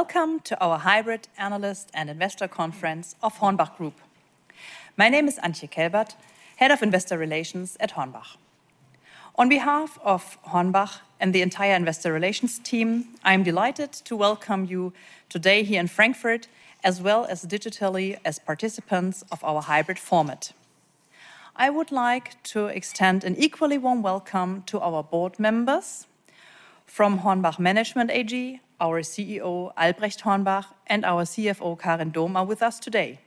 Welcome to our hybrid analyst and investor conference of HORNBACH Group. My name is Antje Kelbert, Head of Investor Relations at HORNBACH. On behalf of HORNBACH and the entire investor relations team, I'm delighted to welcome you today here in Frankfurt, as well as digitally as participants of our hybrid format. I would like to extend an equally warm welcome to our board members. From HORNBACH Management AG, our CEO, Albrecht Hornbach, and our CFO, Karin Dohm, are with us today.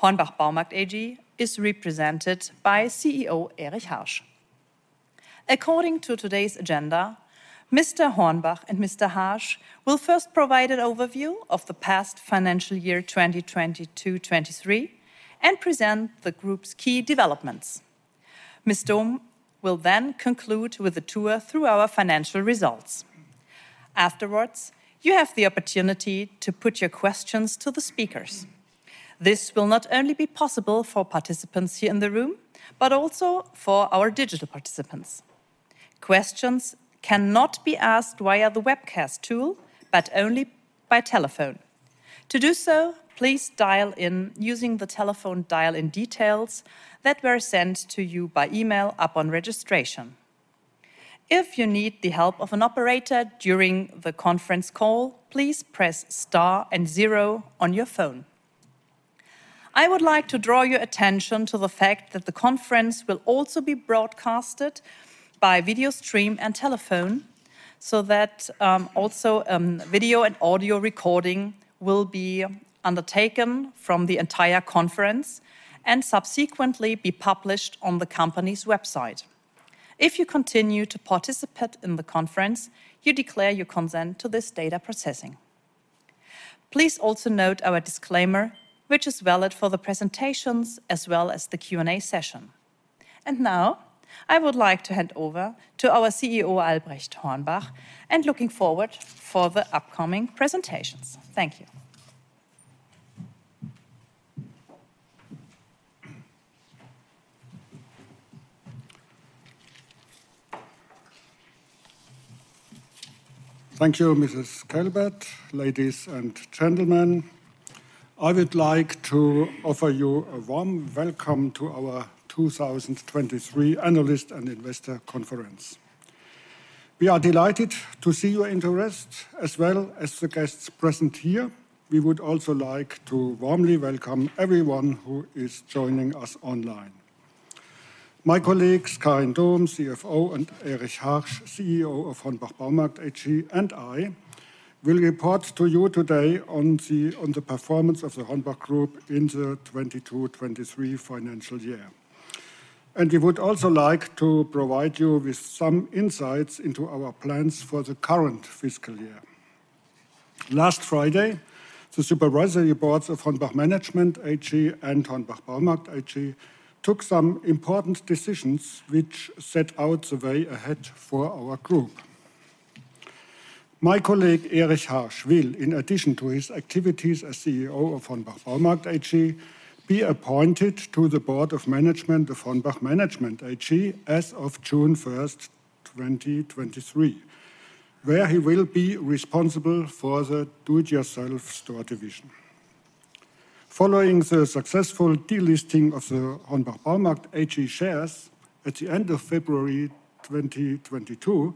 HORNBACH Baumarkt AG is represented by CEO Erich Harsch. According to today's agenda, Mr. Hornbach and Mr. Harsch will first provide an overview of the past financial year 2022, 2023 and present the group's key developments. Ms. Dohm will then conclude with a tour through our financial results. Afterwards, you have the opportunity to put your questions to the speakers. This will not only be possible for participants here in the room, but also for our digital participants. Questions cannot be asked via the webcast tool, but only by telephone. To do so, please dial in using the telephone dial-in details that were sent to you by email upon registration. If you need the help of an operator during the conference call, please press star and zero on your phone. I would like to draw your attention to the fact that the conference will also be broadcasted by video stream and telephone so that, also, video and audio recording will be undertaken from the entire conference and subsequently be published on the company's website. If you continue to participate in the conference, you declare your consent to this data processing. Please also note our disclaimer, which is valid for the presentations as well as the Q&A session. Now, I would like to hand over to our CEO, Albrecht Hornbach, and looking forward for the upcoming presentations. Thank you. Thank you, Ms. Kelbert. Ladies and gentlemen, I would like to offer you a warm welcome to our 2023 Analyst and Investor Conference. We are delighted to see your interest as well as the guests present here. We would also like to warmly welcome everyone who is joining us online. My colleagues, Karin Dohm, CFO, and Erich Harsch, CEO of Hornbach Baumarkt AG, and I will report to you today on the performance of the Hornbach Group in the 2022, 2023 financial year. We would also like to provide you with some insights into our plans for the current fiscal year. Last Friday, the supervisory boards of Hornbach Management AG and Hornbach Baumarkt AG took some important decisions which set out the way ahead for our Group. My colleague, Erich Harsch, will, in addition to his activities as CEO of Hornbach Baumarkt AG, be appointed to the Board of Management of Hornbach Management AG as of June 1st 2023, where he will be responsible for the do-it-yourself store division. Following the successful delisting of the Hornbach Baumarkt AG shares at the end of February 2022,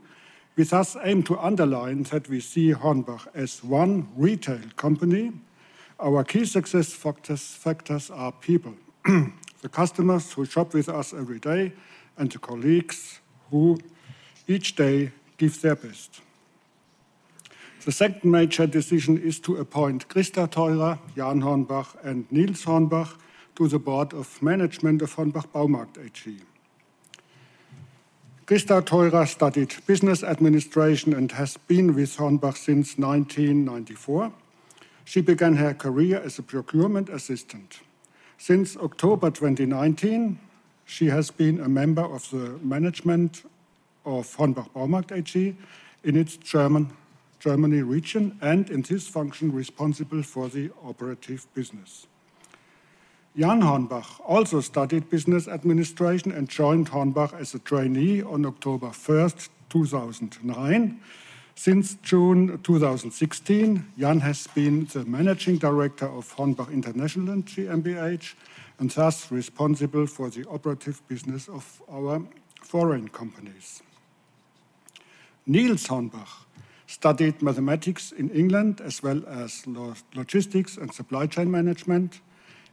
with us aim to underline that we see HORNBACH as one retail company. Our key success factors are people. The customers who shop with us every day and the colleagues who each day give their best. The second major decision is to appoint Christa Theurer, Jan Hornbach, and Nils Hornbach to the Board of Management of Hornbach Baumarkt AG. Christa Theurer studied business administration and has been with HORNBACH since 1994. She began her career as a procurement assistant. Since October 2019, she has been a member of the management of Hornbach Baumarkt AG in its German, Germany region and in this function responsible for the operative business. Jan Hornbach also studied business administration and joined Hornbach as a trainee on October first, 2009. Since June 2016, Jan has been the managing director of Hornbach International GmbH, and thus responsible for the operative business of our foreign companies. Nils Hornbach studied mathematics in England as well as logistics and supply chain management.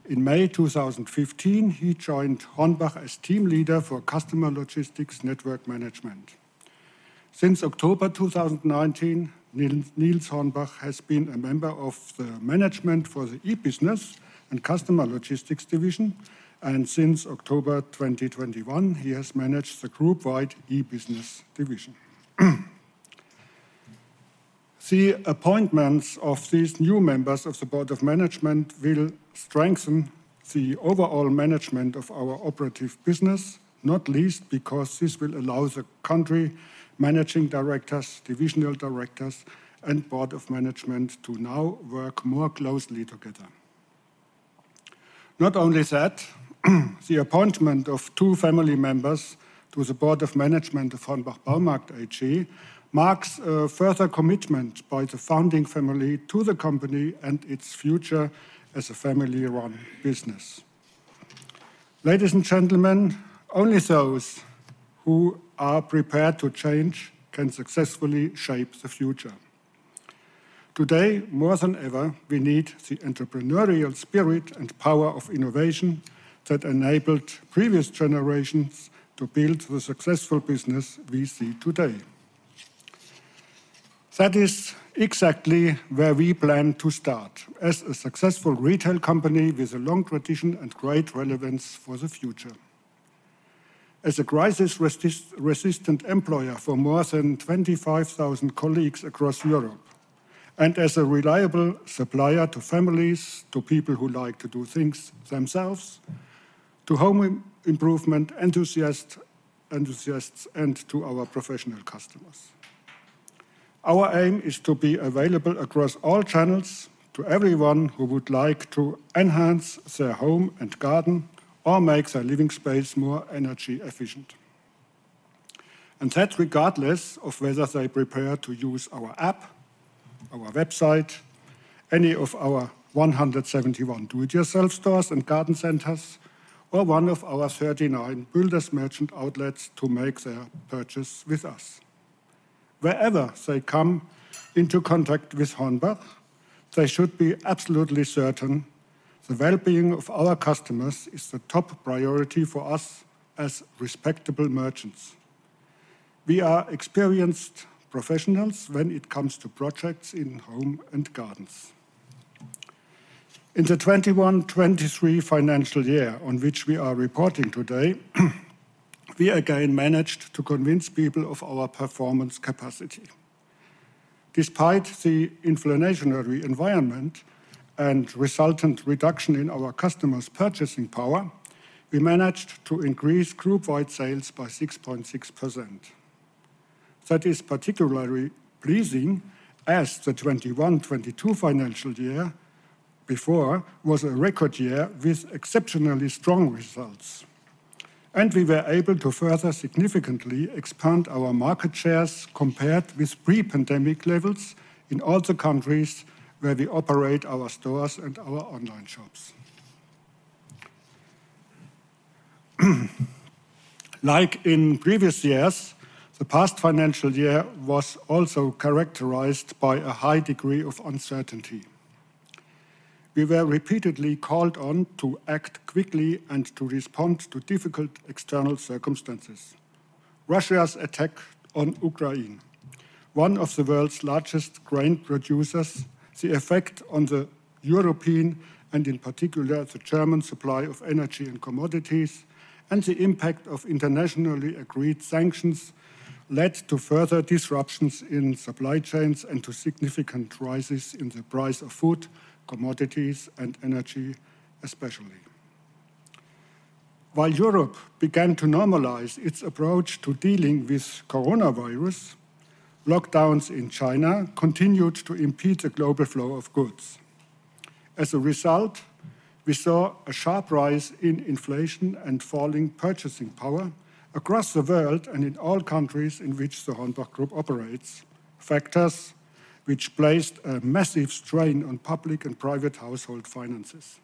In May 2015, he joined Hornbach as team leader for customer logistics network management. Since October 2019, Nils Hornbach has been a member of the management for the e-business and customer logistics division, and since October 2021, he has managed the group-wide e-business division. The appointments of these new members of the Board of Management will strengthen the overall management of our operative business, not least because this will allow the country managing directors, divisional directors, and board of management to now work more closely together. Not only that, the appointment of two family members to the board of management of HORNBACH Baumarkt AG marks a further commitment by the founding family to the company and its future as a family-run business. Ladies and gentlemen, only those who are prepared to change can successfully shape the future. Today, more than ever, we need the entrepreneurial spirit and power of innovation that enabled previous generations to build the successful business we see today. That is exactly where we plan to start. As a successful retail company with a long tradition and great relevance for the future. As a crisis resistant employer for more than 25,000 colleagues across Europe, and as a reliable supplier to families, to people who like to do things themselves, to home improvement enthusiasts, and to our professional customers. Our aim is to be available across all channels to everyone who would like to enhance their home and garden or make their living space more energy efficient. That's regardless of whether they prepare to use our app, our website, any of our 171 do it yourself stores and garden centers, or one of our 39 builders merchant outlets to make their purchase with us. Wherever they come into contact with HORNBACH, they should be absolutely certain the well-being of our customers is the top priority for us as respectable merchants. We are experienced professionals when it comes to projects in home and gardens. In the 2021/2023 financial year on which we are reporting today, we again managed to convince people of our performance capacity. Despite the inflationary environment and resultant reduction in our customers' purchasing power, we managed to increase group wide sales by 6.6%. That is particularly pleasing as the 2021/2022 financial year before was a record year with exceptionally strong results. We were able to further significantly expand our market shares compared with pre-pandemic levels in all the countries where we operate our stores and our online shops. Like in previous years, the past financial year was also characterized by a high degree of uncertainty. We were repeatedly called on to act quickly and to respond to difficult external circumstances. Russia's attack on Ukraine, one of the world's largest grain producers, the effect on the European, and in particular, the German supply of energy and commodities, and the impact of internationally agreed sanctions led to further disruptions in supply chains and to significant rises in the price of food, commodities, and energy, especially. While Europe began to normalize its approach to dealing with coronavirus, lockdowns in China continued to impede the global flow of goods. We saw a sharp rise in inflation and falling purchasing power across the world and in all countries in which the HORNBACH Group operates, factors which placed a massive strain on public and private household finances.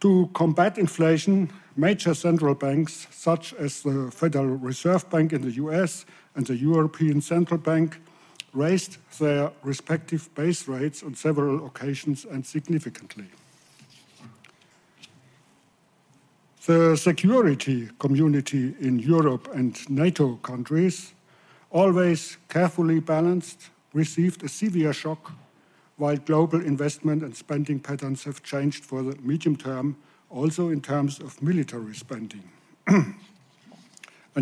To combat inflation, major central banks, such as the Federal Reserve Bank in the U.S. and the European Central Bank, raised their respective base rates on several occasions and significantly. The security community in Europe and NATO countries, always carefully balanced, received a severe shock while global investment and spending patterns have changed for the medium term, also in terms of military spending.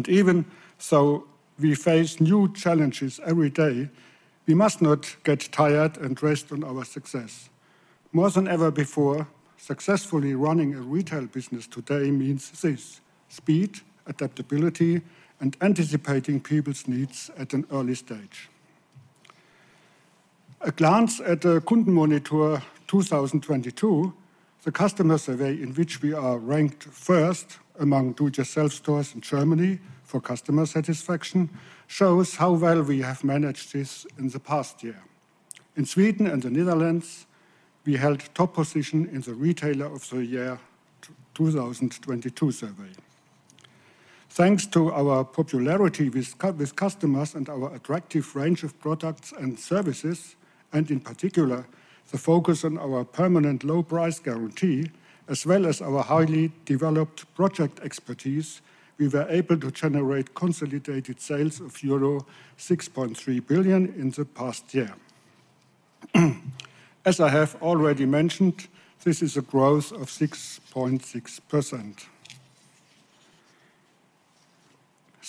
Even so we face new challenges every day, we must not get tired and rest on our success. More than ever before, successfully running a retail business today means this, speed, adaptability, and anticipating people's needs at an early stage. A glance at the Kundenmonitor 2022, the customer survey in which we are ranked first among do it yourself stores in Germany for customer satisfaction, shows how well we have managed this in the past year. In Sweden and the Netherlands, we held top position in the Retailer of the Year 2022 survey. Thanks to our popularity with customers and our attractive range of products and services. In particular, the focus on our permanent low price guarantee, as well as our highly developed project expertise, we were able to generate consolidated sales of euro 6.3 billion in the past year. As I have already mentioned, this is a growth of 6.6%.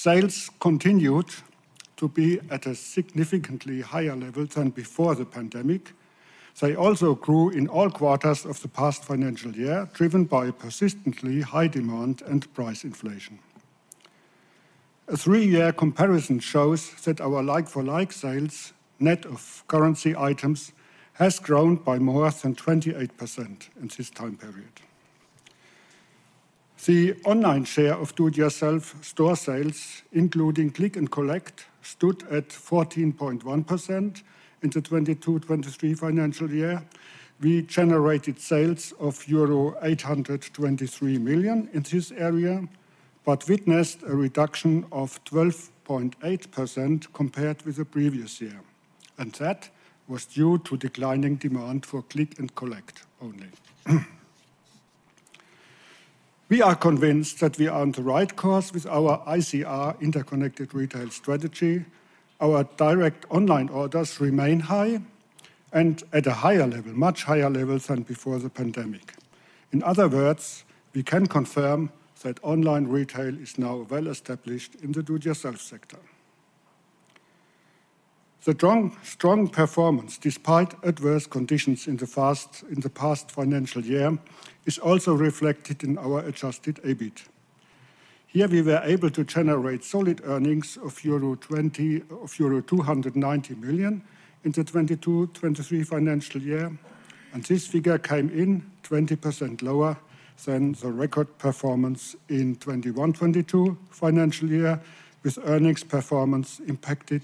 Sales continued to be at a significantly higher level than before the pandemic. They also grew in all quarters of the past financial year, driven by persistently high demand and price inflation. A three-year comparison shows that our like-for-like sales, net of currency items, has grown by more than 28% in this time period. The online share of do-it-yourself store sales, including click and collect, stood at 14.1% in the 2022/2023 financial year. We generated sales of euro 823 million in this area, but witnessed a reduction of 12.8% compared with the previous year, and that was due to declining demand for click and collect only. We are convinced that we are on the right course with our ICR, Interconnected Retail, strategy. Our direct online orders remain high and at a higher level, much higher level than before the pandemic. In other words, we can confirm that online retail is now well-established in the do-it-yourself sector. The strong performance, despite adverse conditions in the past financial year, is also reflected in our adjusted EBIT. Here, we were able to generate solid earnings of euro 290 million in the 2022/2023 financial year. This figure came in 20% lower than the record performance in 2021/2022 financial year, with earnings performance impacted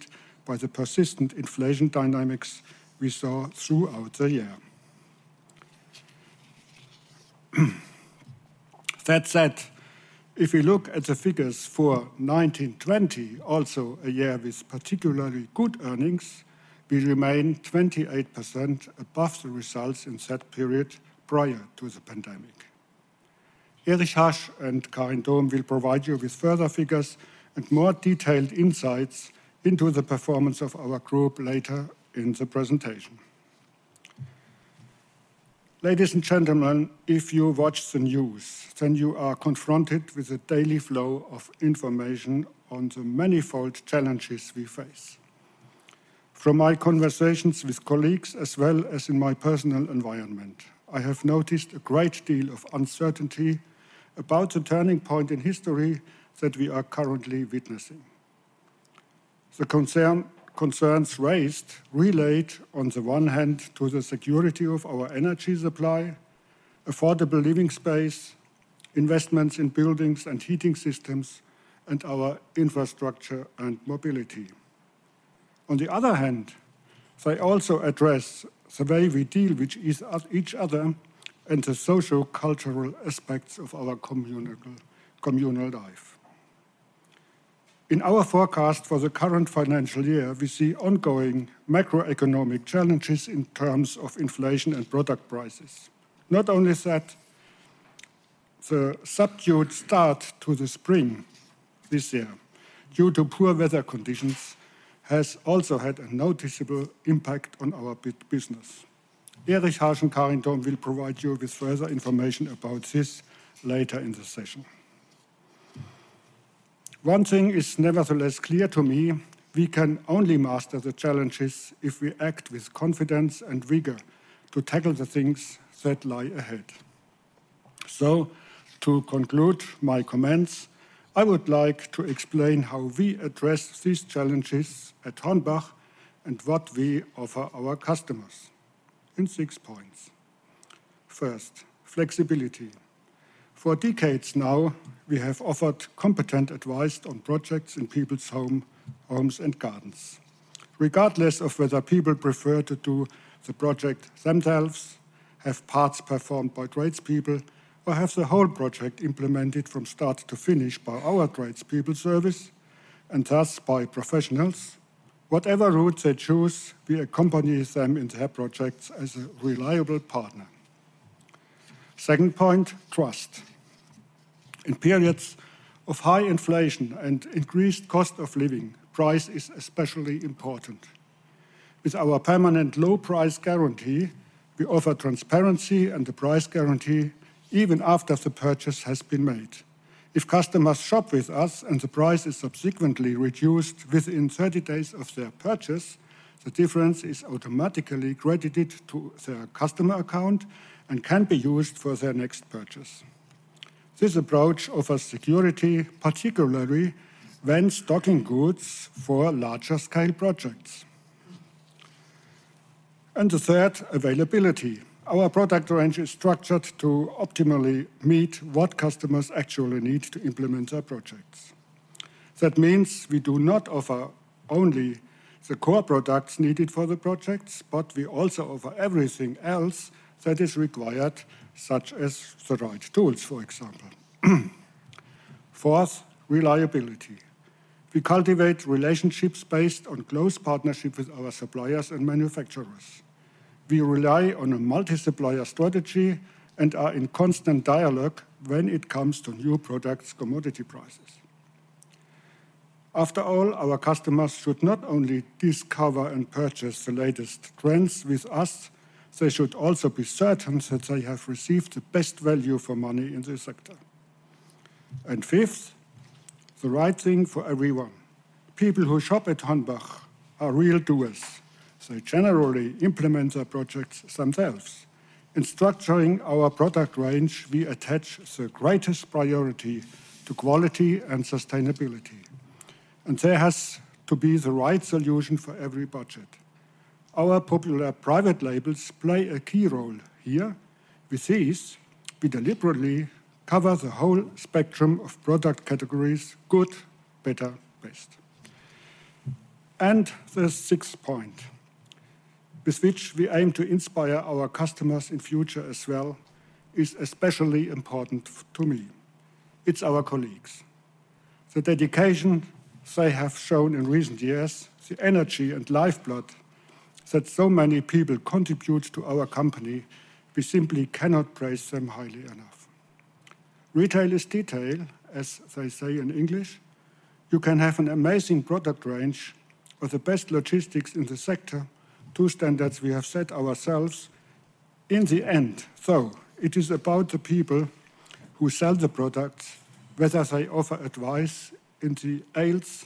by the persistent inflation dynamics we saw throughout the year. That said, if we look at the figures for 2019/2020, also a year with particularly good earnings, we remain 28% above the results in that period prior to the pandemic. Erich Harsch and Karin Dohm will provide you with further figures and more detailed insights into the performance of our group later in the presentation. Ladies and gentlemen, if you watch the news, you are confronted with a daily flow of information on the manifold challenges we face. From my conversations with colleagues as well as in my personal environment, I have noticed a great deal of uncertainty about the turning point in history that we are currently witnessing. The concerns raised relate, on the one hand, to the security of our energy supply, affordable living space, investments in buildings and heating systems, and our infrastructure and mobility. On the other hand, they also address the way we deal each other and the social, cultural aspects of our communal life. In our forecast for the current financial year, we see ongoing macroeconomic challenges in terms of inflation and product prices. Not only that, the subdued start to the spring this year, due to poor weather conditions, has also had a noticeable impact on our business. Erich Harsch and Karin Dohm will provide you with further information about this later in the session. One thing is nevertheless clear to me, we can only master the challenges if we act with confidence and rigor to tackle the things that lie ahead. To conclude my comments, I would like to explain how we address these challenges at HORNBACH and what we offer our customers in six points. First, flexibility. For decades now, we have offered competent advice on projects in people's homes and gardens. Regardless of whether people prefer to do the project themselves, have parts performed by tradespeople, or have the whole project implemented from start to finish by our tradespeople service, and thus by professionals, whatever route they choose, we accompany them in their projects as a reliable partner. Second point, trust. In periods of high inflation and increased cost of living, price is especially important. With our permanent low price guarantee, we offer transparency and a price guarantee even after the purchase has been made. If customers shop with us and the price is subsequently reduced within 30 days of their purchase, the difference is automatically credited to their customer account and can be used for their next purchase. This approach offers security, particularly when stocking goods for larger scale projects. The third, availability. Our product range is structured to optimally meet what customers actually need to implement their projects. That means we do not offer only the core products needed for the projects, but we also offer everything else that is required, such as the right tools, for example. Fourth, reliability. We cultivate relationships based on close partnership with our suppliers and manufacturers. We rely on a multi-supplier strategy and are in constant dialogue when it comes to new products, commodity prices. After all, our customers should not only discover and purchase the latest trends with us, they should also be certain that they have received the best value for money in this sector. Fifth, the right thing for everyone. People who shop at HORNBACH are real doers. They generally implement their projects themselves. In structuring our product range, we attach the greatest priority to quality and sustainability, and there has to be the right solution for every budget. Our popular private labels play a key role here. With these, we deliberately cover the whole spectrum of product categories, good, better, best. The sixth point, with which we aim to inspire our customers in future as well, is especially important to me. It's our colleagues. The dedication they have shown in recent years, the energy and lifeblood that so many people contribute to our company, we simply cannot praise them highly enough. Retail is detail, as they say in English. You can have an amazing product range or the best logistics in the sector, two standards we have set ourselves. In the end, though, it is about the people who sell the products, whether they offer advice in the aisles,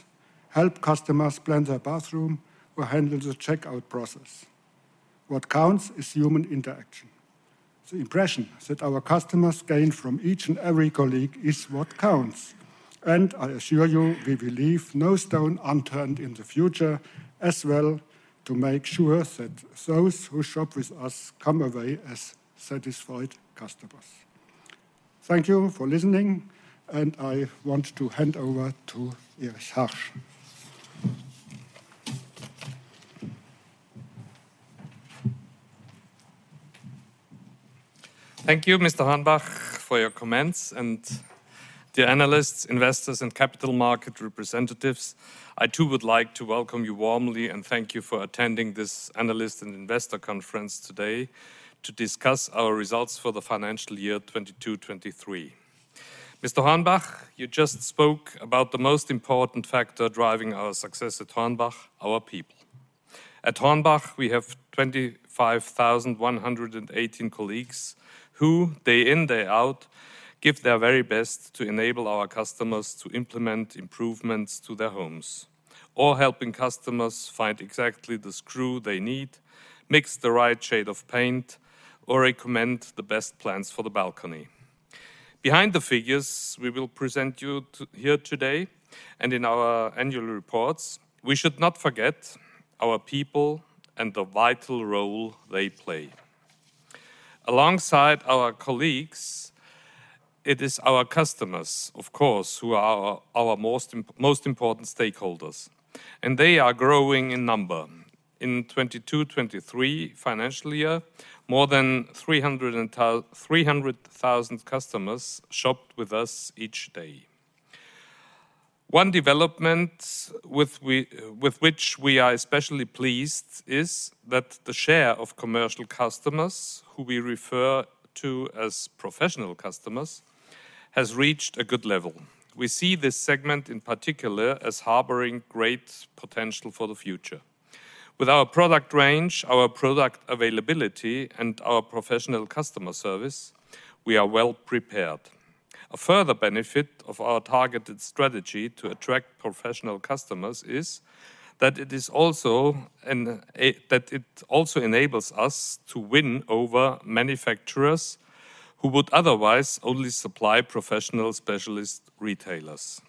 help customers plan their bathroom, or handle the checkout process. What counts is human interaction. The impression that our customers gain from each and every colleague is what counts. I assure you, we will leave no stone unturned in the future as well to make sure that those who shop with us come away as satisfied customers. Thank you for listening, and I want to hand over to Erich Harsch. Thank you, Mr. Hornbach, for your comments. Dear analysts, investors, and capital market representatives, I too would like to welcome you warmly and thank you for attending this analyst and investor conference today to discuss our results for the financial year 2022, 2023. Mr. Hornbach, you just spoke about the most important factor driving our success at HORNBACH, our people. At HORNBACH, we have 25,118 colleagues who, day in, day out, give their very best to enable our customers to implement improvements to their homes or helping customers find exactly the screw they need, mix the right shade of paint, or recommend the best plans for the balcony. Behind the figures we will present you to, here today and in our annual reports, we should not forget our people and the vital role they play. Alongside our colleagues, it is our customers, of course, who are our most important stakeholders, and they are growing in number. In 2022, 2023 financial year, more than 300,000 customers shopped with us each day. One development with which we are especially pleased is that the share of commercial customers, who we refer to as professional customers, has reached a good level. We see this segment in particular as harboring great potential for the future. With our product range, our product availability, and our professional customer service, we are well prepared. A further benefit of our targeted strategy to attract professional customers is that it also enables us to win over manufacturers who would otherwise only supply professional specialist retailers.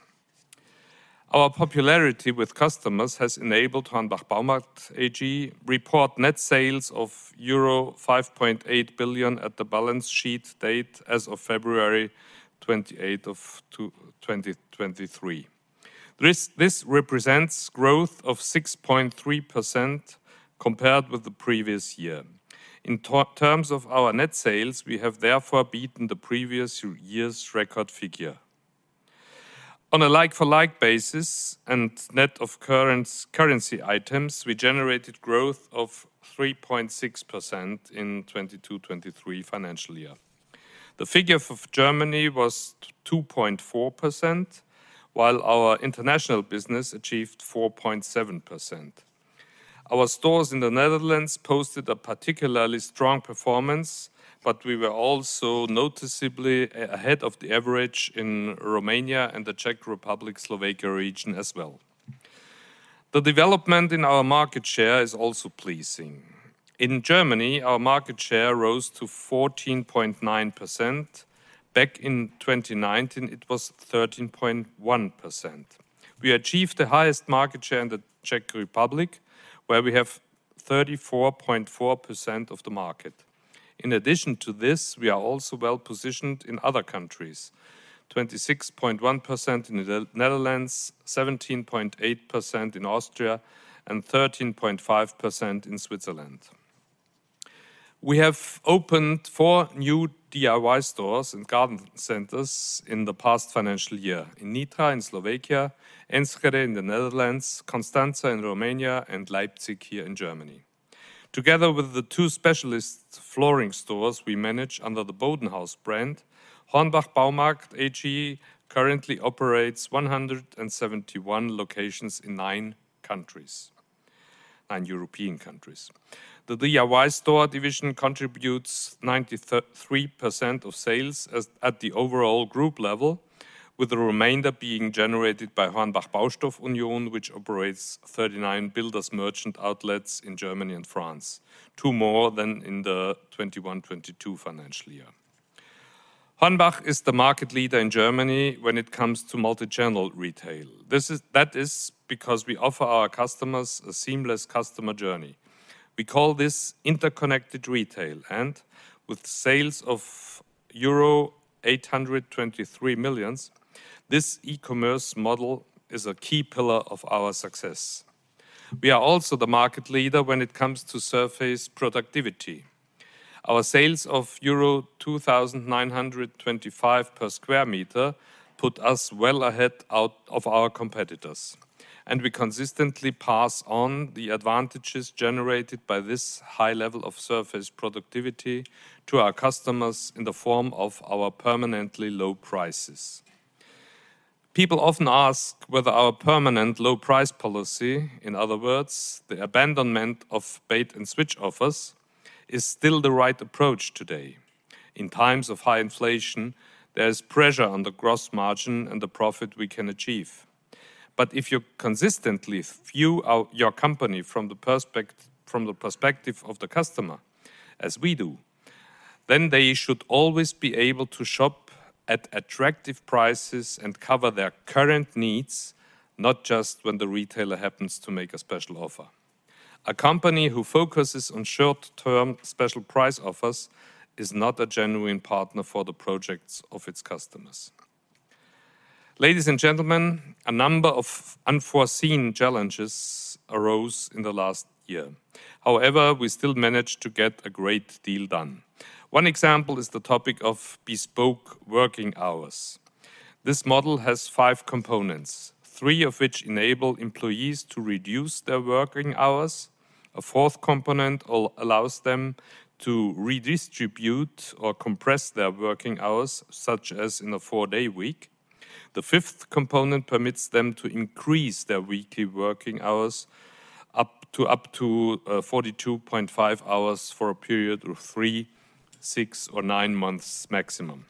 Our popularity with customers has enabled HORNBACH Baumarkt AG report net sales of euro 5.8 billion at the balance sheet date as of February 28 2023. This represents growth of 6.3% compared with the previous year. In terms of our net sales, we have therefore beaten the previous year's record figure. On a like-for-like basis and net of currency items, we generated growth of 3.6% in 2022/2023 financial year. The figure for Germany was 2.4%, while our international business achieved 4.7%. Our stores in the Netherlands posted a particularly strong performance, but we were also noticeably ahead of the average in Romania and the Czech Republic, Slovakia region as well. The development in our market share is also pleasing. In Germany, our market share rose to 14.9%. Back in 2019, it was 13.1%. We achieved the highest market share in the Czech Republic, where we have 34.4% of the market. In addition to this, we are also well-positioned in other countries. 26.1% in the Netherlands, 17.8% in Austria, and 13.5% in Switzerland. We have opened four new DIY stores and garden centers in the past financial year. In Nitra, in Slovakia, Enschede in the Netherlands, Constanţa in Romania, and Leipzig here in Germany. Together with the two specialist flooring stores we manage under the BODENHAUS brand, HORNBACH Baumarkt AG currently operates 171 locations in nine countries. European countries. The DIY store division contributes 93% of sales as at the overall group level, with the remainder being generated by HORNBACH Baustoff Union, which operates 39 builders merchant outlets in Germany and France, two more than in the 2021, 2022 financial year. HORNBACH is the market leader in Germany when it comes to multi-channel retail. That is because we offer our customers a seamless customer journey. We call this Interconnected Retail, and with sales of euro 823 million, this e-commerce model is a key pillar of our success. We are also the market leader when it comes to surface productivity. Our sales of euro 2,925 per square meter put us well ahead out of our competitors. We consistently pass on the advantages generated by this high level of surface productivity to our customers in the form of our permanently low prices. People often ask whether our permanent low price policy, in other words, the abandonment of bait and switch offers, is still the right approach today. In times of high inflation, there is pressure on the gross margin and the profit we can achieve. If you consistently view your company from the perspective of the customer, as we do, then they should always be able to shop at attractive prices and cover their current needs, not just when the retailer happens to make a special offer. A company who focuses on short-term special price offers is not a genuine partner for the projects of its customers. Ladies and gentlemen, a number of unforeseen challenges arose in the last year. We still managed to get a great deal done. One example is the topic of bespoke working hours. This model has five components, three of which enable employees to reduce their working hours. A fourth component allows them to redistribute or compress their working hours, such as in a four day week. The fifth component permits them to increase their weekly working hours up to 42.5 hours for a period of three, six, or nine months maximum.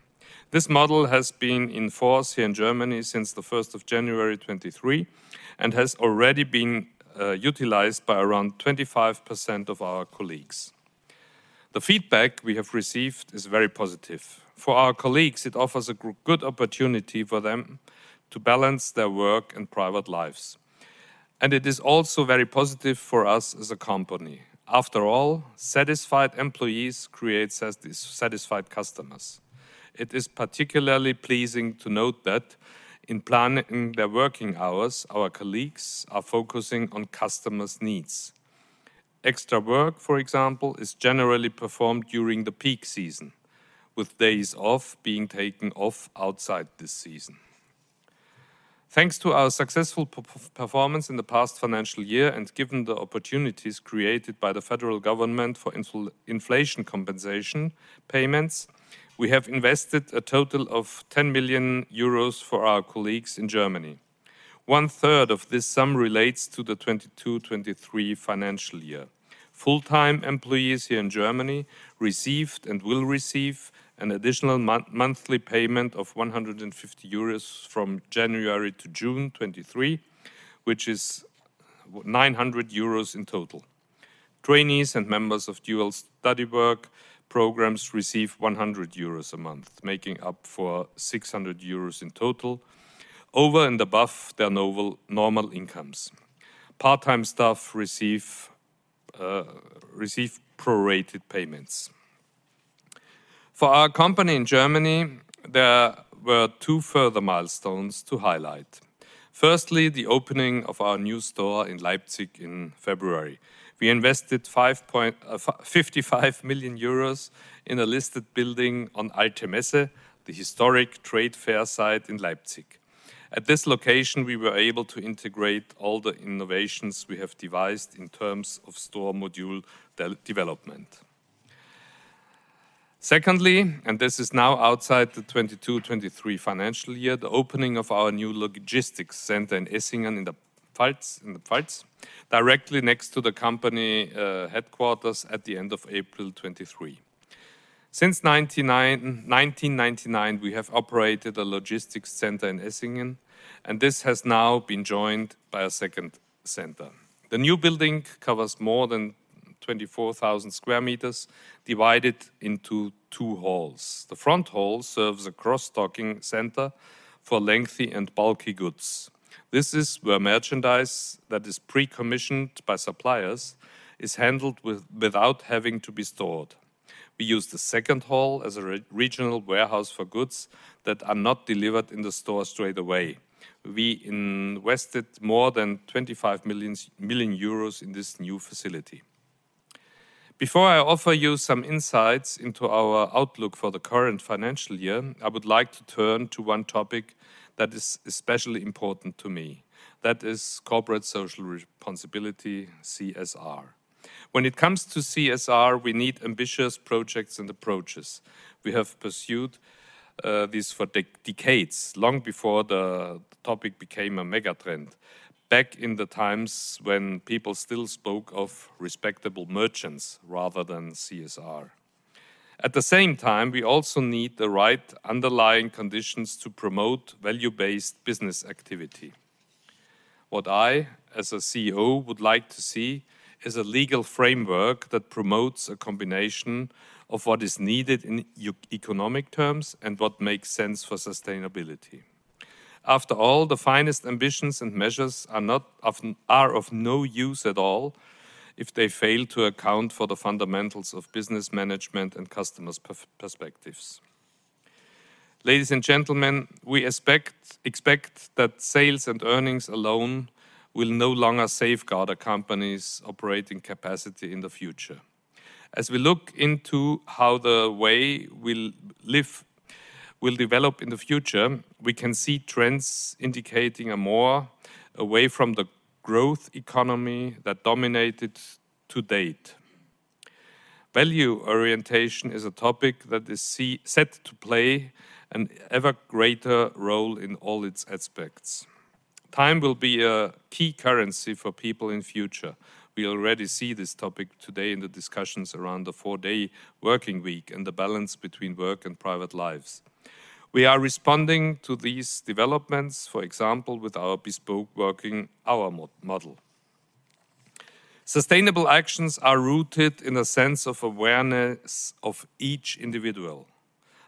This model has been in force here in Germany since the first of January 2023 and has already been utilized by around 25% of our colleagues. The feedback we have received is very positive. For our colleagues, it offers a good opportunity for them to balance their work and private lives. It is also very positive for us as a company. After all, satisfied employees creates satisfied customers. It is particularly pleasing to note that in planning their working hours, our colleagues are focusing on customers' needs. Extra work, for example, is generally performed during the peak season, with days off being taken off outside this season. Thanks to our successful performance in the past financial year, given the opportunities created by the federal government for inflation compensation payments, we have invested a total of 10 million euros for our colleagues in Germany. 1/3 of this sum relates to the 2022/2023 financial year. Full-time employees here in Germany received and will receive an additional monthly payment of 150 euros from January to June 2023, which is 900 euros in total. Trainees and members of dual study work programs receive 100 euros a month, making up for 600 euros in total over and above their normal incomes. Part-time staff receive prorated payments. For our company in Germany, there were two further milestones to highlight. Firstly, the opening of our new store in Leipzig in February. We invested 55 million euros in a listed building on Alte Messe, the historic trade fair site in Leipzig. At this location, we were able to integrate all the innovations we have devised in terms of store module development. Secondly, this is now outside the 2022/2023 financial year, the opening of our new logistics center in Essingen, in the Pfalz, directly next to the company headquarters at the end of April 2023. Since 1999, we have operated a logistics center in Essingen, and this has now been joined by a second center. The new building covers more than 24,000 square meters, divided into two halls. The front hall serves a cross-docking center for lengthy and bulky goods. This is where merchandise that is pre-commissioned by suppliers is handled without having to be stored. We use the second hall as a re-regional warehouse for goods that are not delivered in the store straight away. We invested more than 25 million euros in this new facility. Before I offer you some insights into our outlook for the current financial year, I would like to turn to one topic that is especially important to me. That is corporate social responsibility, CSR. When it comes to CSR, we need ambitious projects and approaches. We have pursued this for decades, long before the topic became a mega trend, back in the times when people still spoke of respectable merchants rather than CSR. At the same time, we also need the right underlying conditions to promote value-based business activity. What I, as a CEO, would like to see is a legal framework that promotes a combination of what is needed in economic terms and what makes sense for sustainability. After all, the finest ambitions and measures are of no use at all if they fail to account for the fundamentals of business management and customers perspectives. Ladies and gentlemen, we expect that sales and earnings alone will no longer safeguard a company's operating capacity in the future. As we look into how the way we live will develop in the future, we can see trends indicating a more away from the growth economy that dominated to date. Value orientation is a topic that is set to play an ever greater role in all its aspects. Time will be a key currency for people in future. We already see this topic today in the discussions around the four-day working week and the balance between work and private lives. We are responding to these developments, for example, with our bespoke working hour model. Sustainable actions are rooted in a sense of awareness of each individual.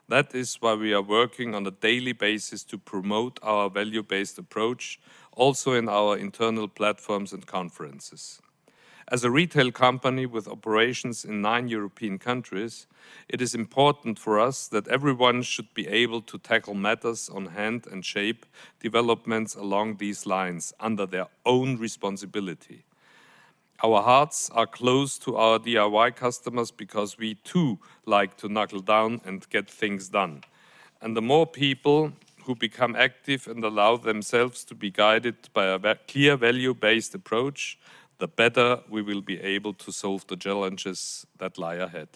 That is why we are working on a daily basis to promote our value-based approach, also in our internal platforms and conferences. As a retail company with operations in nine European countries, it is important for us that everyone should be able to tackle matters on hand and shape developments along these lines under their own responsibility. Our hearts are close to our DIY customers because we too like to knuckle down and get things done. The more people who become active and allow themselves to be guided by a clear value-based approach, the better we will be able to solve the challenges that lie ahead.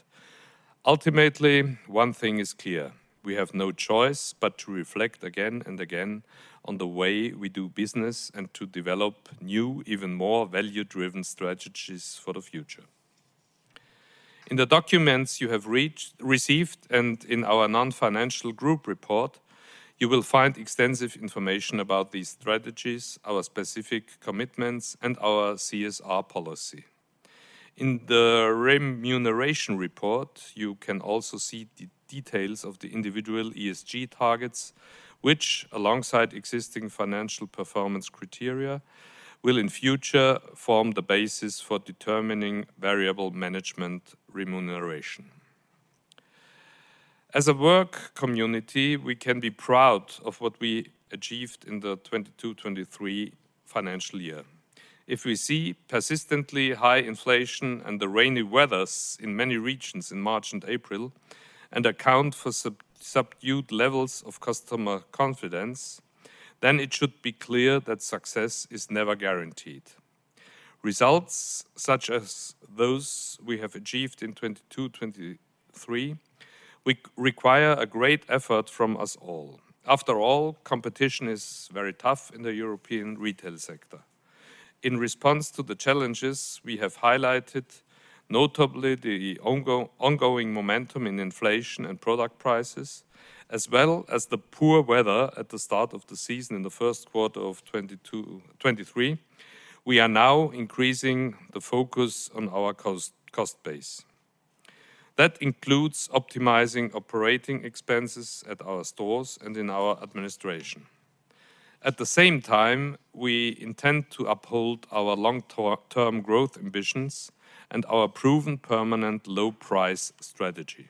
Ultimately, one thing is clear. We have no choice but to reflect again and again on the way we do business and to develop new, even more value-driven strategies for the future. In the documents you have received and in our non-financial group report, you will find extensive information about these strategies, our specific commitments, and our CSR policy. In the remuneration report, you can also see details of the individual ESG targets, which alongside existing financial performance criteria, will in future form the basis for determining variable management remuneration. As a work community, we can be proud of what we achieved in the 2022/2023 financial year. If we see persistently high inflation and the rainy weathers in many regions in March and April and account for subdued levels of customer confidence, then it should be clear that success is never guaranteed. Results such as those we have achieved in 2022/2023 require a great effort from us all. After all, competition is very tough in the European retail sector. In response to the challenges we have highlighted, notably the ongoing momentum in inflation and product prices, as well as the poor weather at the start of the season in the Q1 of 2022/2023, we are now increasing the focus on our cost base. That includes optimizing OpEx at our stores and in our administration. At the same time, we intend to uphold our long-term growth ambitions and our proven permanent low price strategy.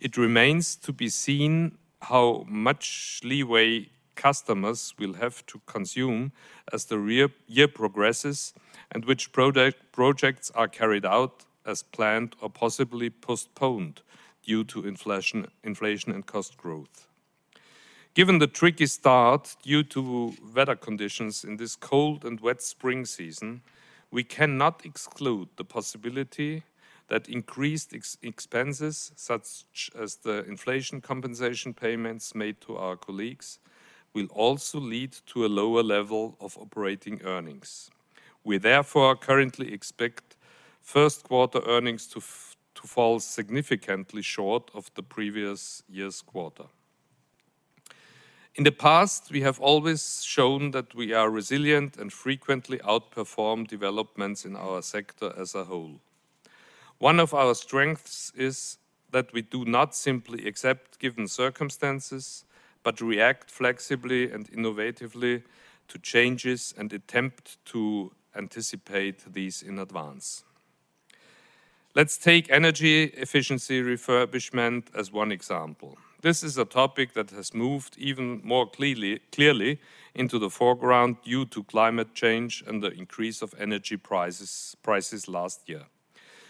It remains to be seen how much leeway customers will have to consume as the year progresses and which projects are carried out as planned or possibly postponed due to inflation and cost growth. Given the tricky start due to weather conditions in this cold and wet spring season, we cannot exclude the possibility that increased ex-expenses such as the inflation compensation payments made to our colleagues will also lead to a lower level of operating earnings. We therefore currently expect Q1 earnings to fall significantly short of the previous year's quarter. In the past, we have always shown that we are resilient and frequently outperform developments in our sector as a whole. One of our strengths is that we do not simply accept given circumstances, but react flexibly and innovatively to changes and attempt to anticipate these in advance. Let's take energy efficiency refurbishment as one example. This is a topic that has moved even more clearly into the foreground due to climate change and the increase of energy prices last year.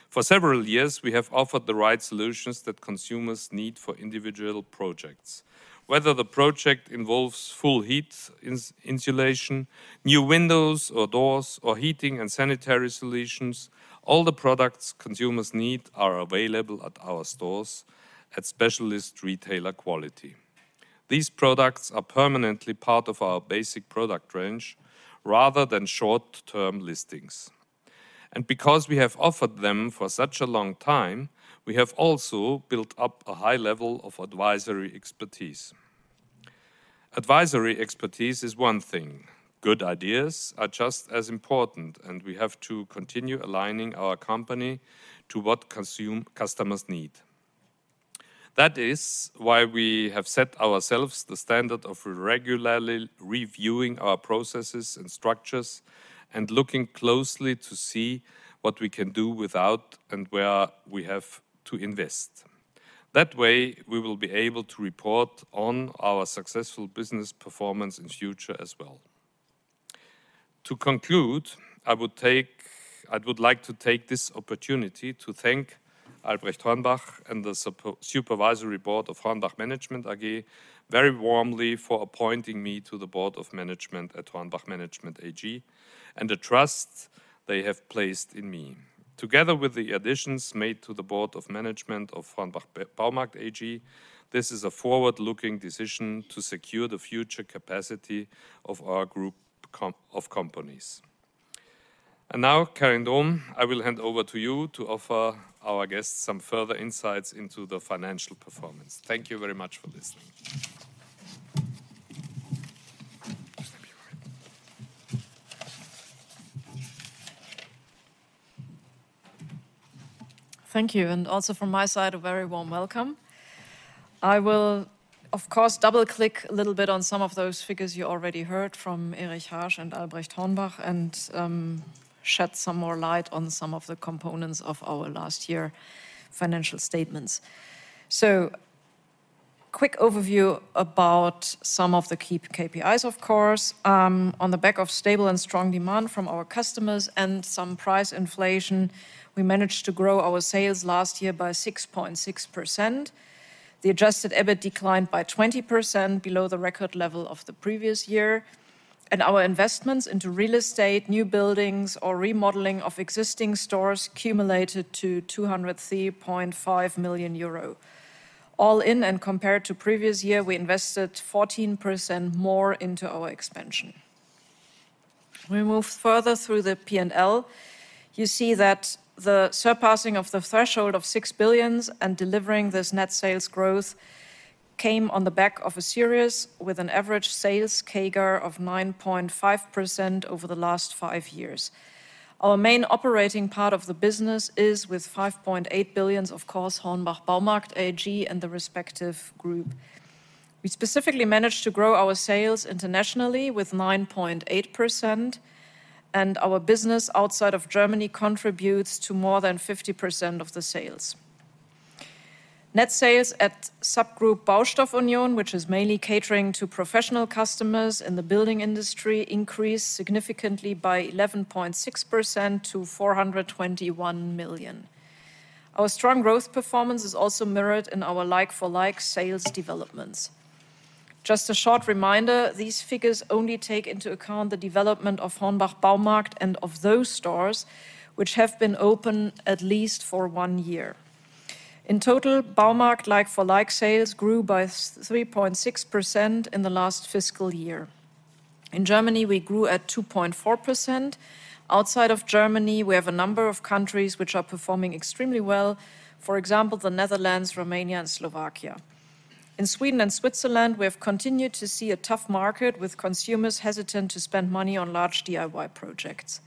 For several years, we have offered the right solutions that consumers need for individual projects. Whether the project involves full heat insulation, new windows or doors, or heating and sanitary solutions, all the products consumers need are available at our stores at specialist retailer quality. These products are permanently part of our basic product range rather than short-term listings. Because we have offered them for such a long time, we have also built up a high level of advisory expertise. Advisory expertise is one thing. Good ideas are just as important, and we have to continue aligning our company to what customers need. That is why we have set ourselves the standard of regularly reviewing our processes and structures and looking closely to see what we can do without and where we have to invest. That way, we will be able to report on our successful business performance in future as well. To conclude, I would like to take this opportunity to thank Albrecht Hornbach and the Supervisory Board of HORNBACH Management AG very warmly for appointing me to the Board of Management at HORNBACH Management AG and the trust they have placed in me. Together with the additions made to the Board of Management of HORNBACH Baumarkt AG, this is a forward-looking decision to secure the future capacity of our group of companies. Now, Karin Dohm, I will hand over to you to offer our guests some further insights into the financial performance. Thank you very much for listening. Thank you. Also from my side, a very warm welcome. I will, of course, double-click a little bit on some of those figures you already heard from Erich Harsch and Albrecht Hornbach and shed some more light on some of the components of our last year financial statements. Quick overview about some of the key KPIs, of course. On the back of stable and strong demand from our customers and some price inflation, we managed to grow our sales last year by 6.6%. The adjusted EBIT declined by 20% below the record level of the previous year, and our investments into real estate, new buildings, or remodeling of existing stores cumulated to 203.5 million euro. All in and compared to previous year, we invested 14% more into our expansion. We move further through the P&L. You see that the surpassing of the threshold of 6 billion and delivering this net sales growth came on the back of a series with an average sales CAGR of 9.5% over the last five years. Our main operating part of the business is with 5.8 billion, of course, HORNBACH Baumarkt AG and the respective group. We specifically managed to grow our sales internationally with 9.8%, and our business outside of Germany contributes to more than 50% of the sales. Net sales at subgroup Baustoff Union, which is mainly catering to professional customers in the building industry, increased significantly by 11.6% to 421 million. Our strong growth performance is also mirrored in our like-for-like sales developments. Just a short reminder, these figures only take into account the development of Hornbach Baumarkt and of those stores which have been open at least for one year. In total, Baumarkt like-for-like sales grew by 3.6% in the last fiscal year. In Germany, we grew at 2.4%. Outside of Germany, we have a number of countries which are performing extremely well, for example, the Netherlands, Romania, and Slovakia. In Sweden and Switzerland, we have continued to see a tough market with consumers hesitant to spend money on large DIY projects.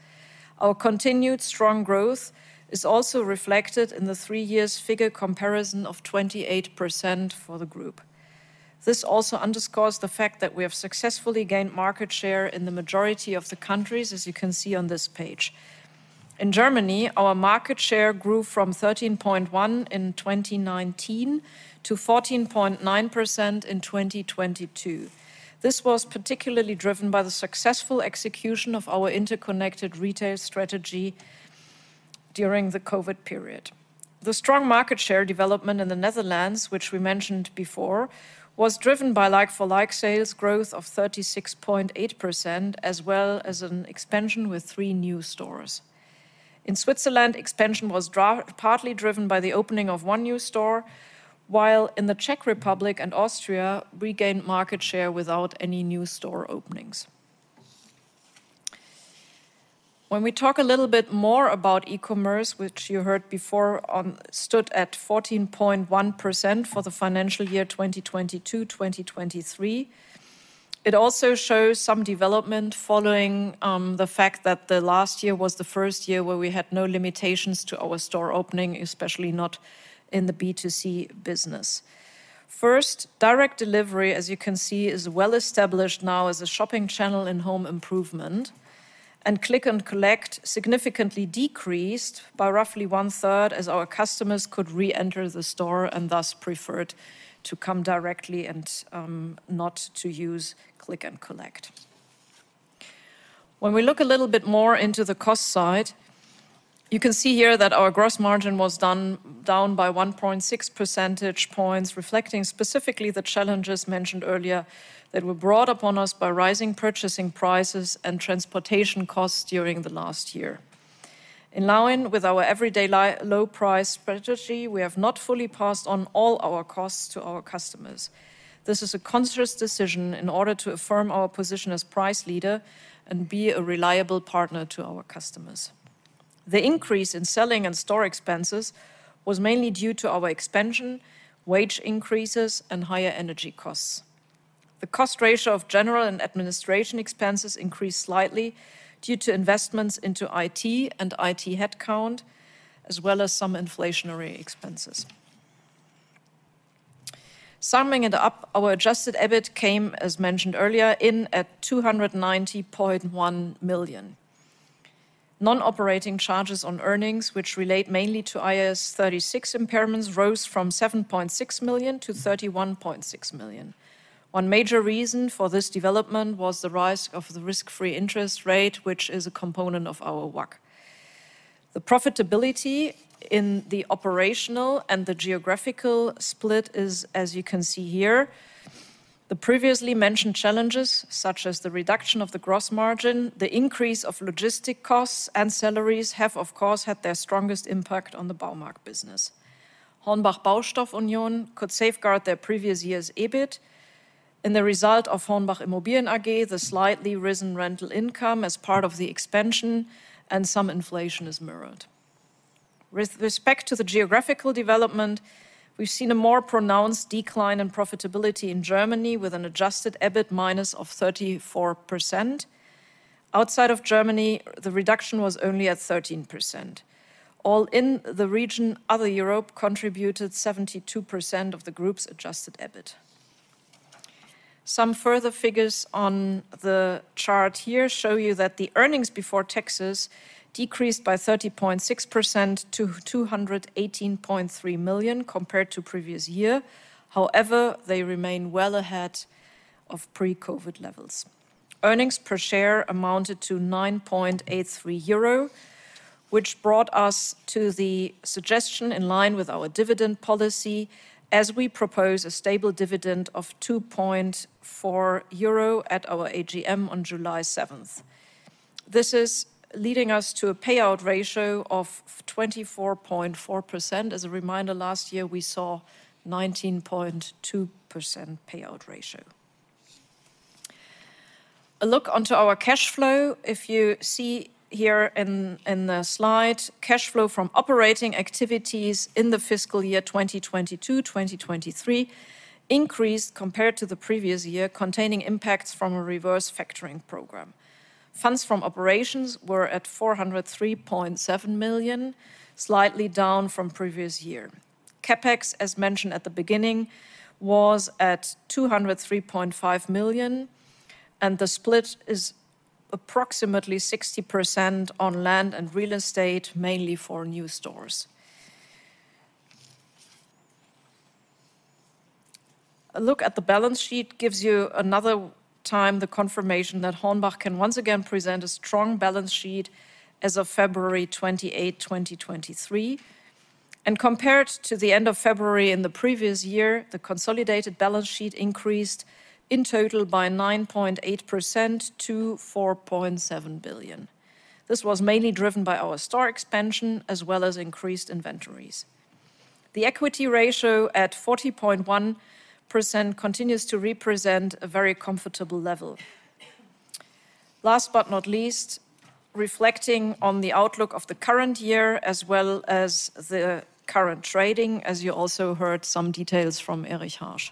Our continued strong growth is also reflected in the three years figure comparison of 28% for the Group. This also underscores the fact that we have successfully gained market share in the majority of the countries, as you can see on this page. In Germany, our market share grew from 13.1 in 2019 to 14.9% in 2022. This was particularly driven by the successful execution of our Interconnected Retail strategy during the COVID period. The strong market share development in the Netherlands, which we mentioned before, was driven by like-for-like sales growth of 36.8%, as well as an expansion with three new stores. In Switzerland, expansion was partly driven by the opening of one new store, while in the Czech Republic and Austria, we gained market share without any new store openings. When we talk a little bit more about e-commerce, which you heard before stood at 14.1% for the financial year 2022/2023, it also shows some development following the fact that the last year was the first year where we had no limitations to our store opening, especially not in the B2C business. First, direct delivery, as you can see, is well established now as a shopping channel in home improvement, and click and collect significantly decreased by roughly one-third as our customers could reenter the store and thus preferred to come directly and not to use click and collect. When we look a little bit more into the cost side, you can see here that our gross margin was done down by 1.6 percentage points, reflecting specifically the challenges mentioned earlier that were brought upon us by rising purchasing prices and transportation costs during the last year. In line with our everyday low price strategy, we have not fully passed on all our costs to our customers. This is a conscious decision in order to affirm our position as price leader and be a reliable partner to our customers. The increase in selling and store expenses was mainly due to our expansion, wage increases, and higher energy costs. The cost ratio of general and administration expenses increased slightly due to investments into IT and IT headcount, as well as some inflationary expenses. Summing it up, our adjusted EBIT came, as mentioned earlier, in at 290.1 million. Non-operating charges on earnings, which relate mainly to IAS 36 impairments, rose from 7.6 million to 31.6 million. One major reason for this development was the rise of the risk-free interest rate, which is a component of our WACC. The profitability in the operational and the geographical split is as you can see here. The previously mentioned challenges, such as the reduction of the gross margin, the increase of logistic costs and salaries, have of course had their strongest impact on the Baumarkt business. HORNBACH Baustoff Union could safeguard their previous year's EBIT. In the result of HORNBACH Immobilien AG, the slightly risen rental income as part of the expansion and some inflation is mirrored. With respect to the geographical development, we've seen a more pronounced decline in profitability in Germany with an adjusted EBIT minus of 34%. Outside of Germany, the reduction was only at 13%. All in the region, other Europe contributed 72% of the group's adjusted EBIT. Some further figures on the chart here show you that the earnings before taxes decreased by 30.6% to 218.3 million compared to previous year. However, they remain well ahead of pre-COVID levels. Earnings per share amounted to 9.83 euro, which brought us to the suggestion in line with our dividend policy as we propose a stable dividend of 2.4 euro at our AGM on July 7th. This is leading us to a payout ratio of 24.4%. As a reminder, last year, we saw 19.2% payout ratio. A look onto our cash flow. If you see here in the slide, cash flow from operating activities in the fiscal year 2022/2023 increased compared to the previous year, containing impacts from a reverse factoring program. Funds from operations were at 403.7 million, slightly down from previous year. CapEx, as mentioned at the beginning, was at 203.5 million. The split is approximately 60% on land and real estate, mainly for new stores. A look at the balance sheet gives you another time the confirmation that HORNBACH can once again present a strong balance sheet as of February 28 2023. Compared to the end of February in the previous year, the consolidated balance sheet increased in total by 9.8% to 4.7 billion. This was mainly driven by our store expansion as well as increased inventories. The equity ratio at 40.1% continues to represent a very comfortable level. Last but not least, reflecting on the outlook of the current year as well as the current trading, as you also heard some details from Erich Harsch.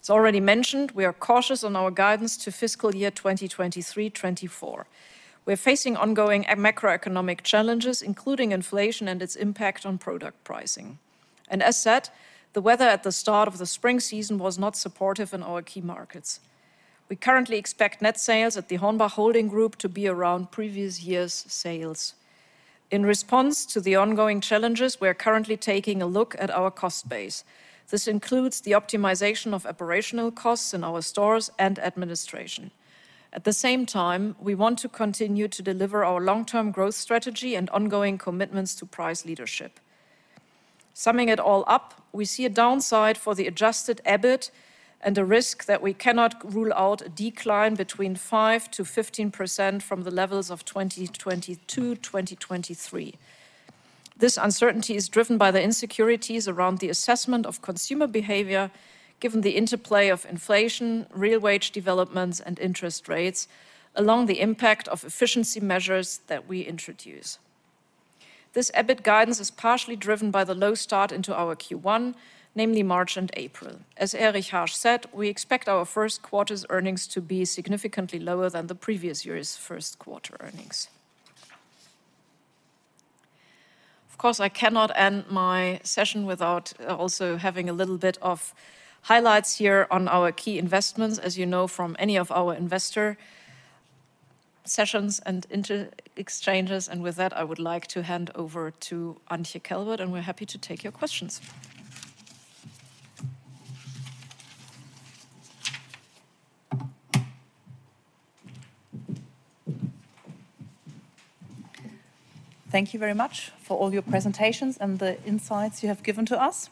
As already mentioned, we are cautious on our guidance to fiscal year 2023/2024. We are facing ongoing macroeconomic challenges, including inflation and its impact on product pricing. As said, the weather at the start of the spring season was not supportive in our key markets. We currently expect net sales at the HORNBACH Holding Group to be around previous year's sales. In response to the ongoing challenges, we are currently taking a look at our cost base. This includes the optimization of operational costs in our stores and administration. At the same time, we want to continue to deliver our long-term growth strategy and ongoing commitments to price leadership. Summing it all up, we see a downside for the adjusted EBIT and a risk that we cannot rule out a decline between 5% to 15% from the levels of 2022/2023. This uncertainty is driven by the insecurities around the assessment of consumer behavior, given the interplay of inflation, real wage developments, and interest rates, along the impact of efficiency measures that we introduce. This EBIT guidance is partially driven by the low start into our Q1, namely March and April. As Erich Harsch said, we expect our first quarter's earnings to be significantly lower than the previous year's Q1 earnings. Of course, I cannot end my session without also having a little bit of highlights here on our key investments, as you know from any of our investor sessions and inter exchanges. With that, I would like to hand over to Antje Kelbert, and we're happy to take your questions. Thank you very much for all your presentations and the insights you have given to us.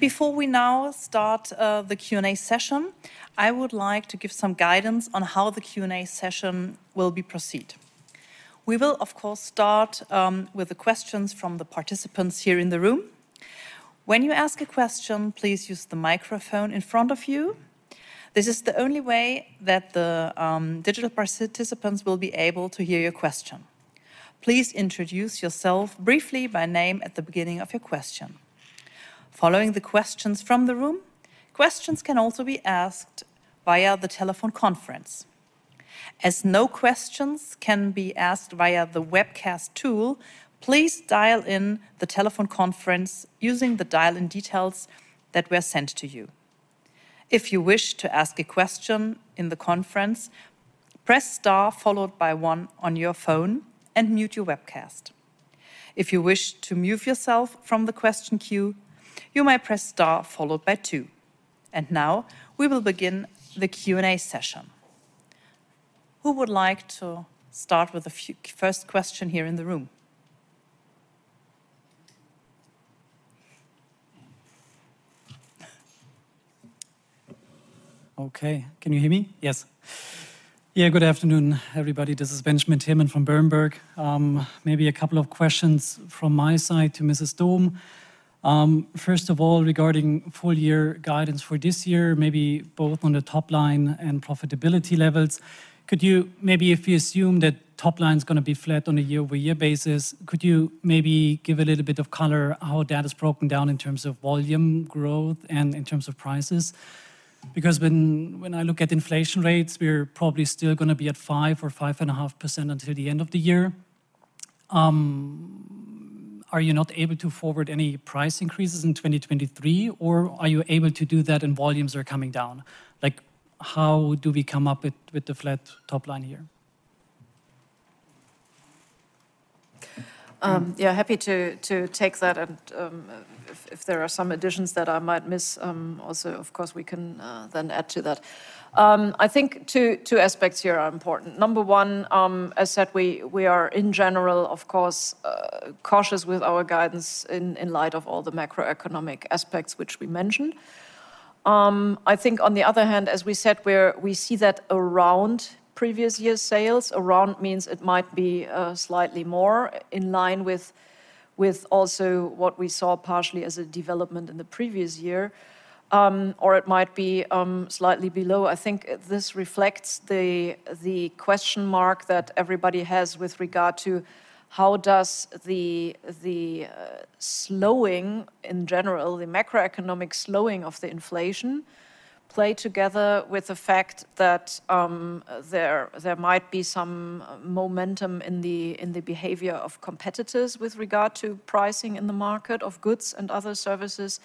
Before we now start the Q&A session, I would like to give some guidance on how the Q&A session will be proceed. We will, of course, start with the questions from the participants here in the room. When you ask a question, please use the microphone in front of you. This is the only way that the digital participants will be able to hear your question. Please introduce yourself briefly by name at the beginning of your question. Following the questions from the room, questions can also be asked via the telephone conference. No questions can be asked via the webcast tool, please dial in the telephone conference using the dial-in details that were sent to you. If you wish to ask a question in the conference, press star followed by one on your phone and mute your webcast. If you wish to mute yourself from the question queue, you may press star followed by two. Now, we will begin the Q&A session. Who would like to start with first question here in the room? Okay, can you hear me? Yes. Yeah, good afternoon, everybody. This is Benjamin Timmermann from Berenberg. Maybe a couple of questions from my side to Ms. Dohm. First of all, regarding full year guidance for this year, maybe both on the top line and profitability levels, could you maybe if you assume that top line's gonna be flat on a year-over-year basis, could you maybe give a little bit of color how that is broken down in terms of volume growth and in terms of prices? Because when I look at inflation rates, we're probably still gonna be at 5% or 5.5% until the end of the year. Are you not able to forward any price increases in 2023, or are you able to do that and volumes are coming down? Like, how do we come up with the flat top line here? Yeah, happy to take that. If there are some additions that I might miss, also of course, we can then add to that. I think two aspects here are important. Number one, as said, we are in general, of course, cautious with our guidance in light of all the macroeconomic aspects which we mentioned. I think on the other hand, as we said, we see that around previous year's sales. Around means it might be slightly more in line with also what we saw partially as a development in the previous year, or it might be slightly below. I think this reflects the question mark that everybody has with regard to how does the slowing in general, the macroeconomic slowing of the inflation, play together with the fact that there might be some momentum in the behavior of competitors with regard to pricing in the market of goods and other services.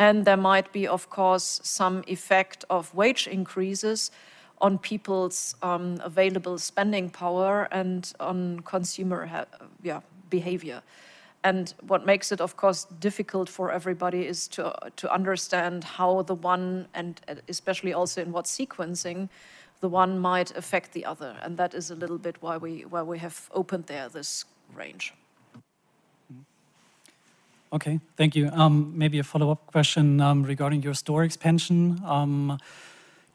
There might be, of course, some effect of wage increases on people's available spending power and on consumer behavior. What makes it, of course, difficult for everybody is to understand how the one, and especially also in what sequencing, the one might affect the other. That is a little bit why we have opened there this range. Okay, thank you. Maybe a follow-up question regarding your store expansion.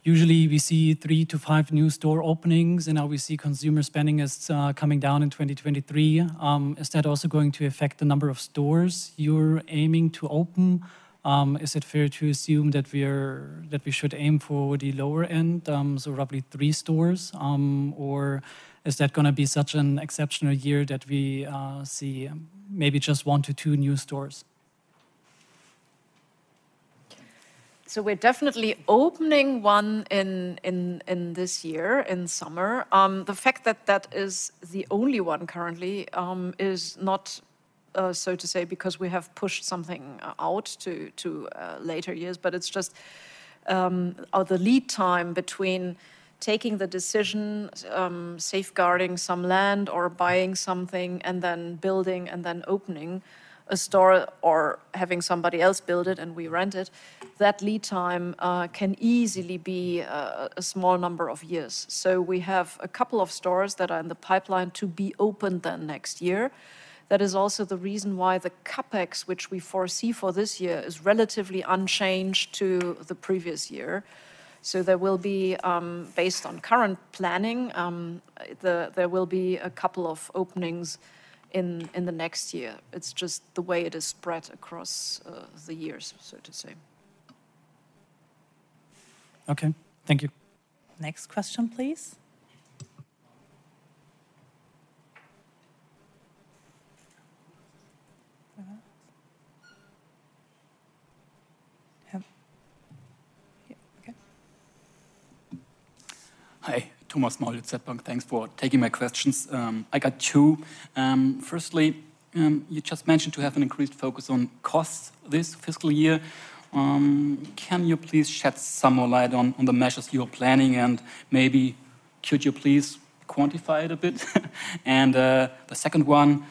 Usually we see three to five new store openings, and now we see consumer spending is coming down in 2023. Is that also going to affect the number of stores you're aiming to open? Is it fair to assume that we should aim for the lower end, so roughly three stores? Or is that gonna be such an exceptional year that we see maybe just one to two new stores? We're definitely opening one in this year, in summer. The fact that that is the only one currently is not because we have pushed something out to later years. It's just the lead time between taking the decision, safeguarding some land or buying something and then building and then opening a store or having somebody else build it and we rent it, that lead time can easily be a small number of years. We have a couple of stores that are in the pipeline to be opened then next year. That is also the reason why the CapEx which we foresee for this year is relatively unchanged to the previous year. There will be, based on current planning, there will be a couple of openings in the next year. It's just the way it is spread across, the years, so to say. Okay, thank you. Next question, please. Uh-huh. Yeah. Okay. Hi. Thomas Maul, DZ Bank. Thanks for taking my questions. I got two. Firstly, you just mentioned to have an increased focus on costs this fiscal year. Can you please shed some more light on the measures you are planning and maybe, could you please quantify it a bit? The second one,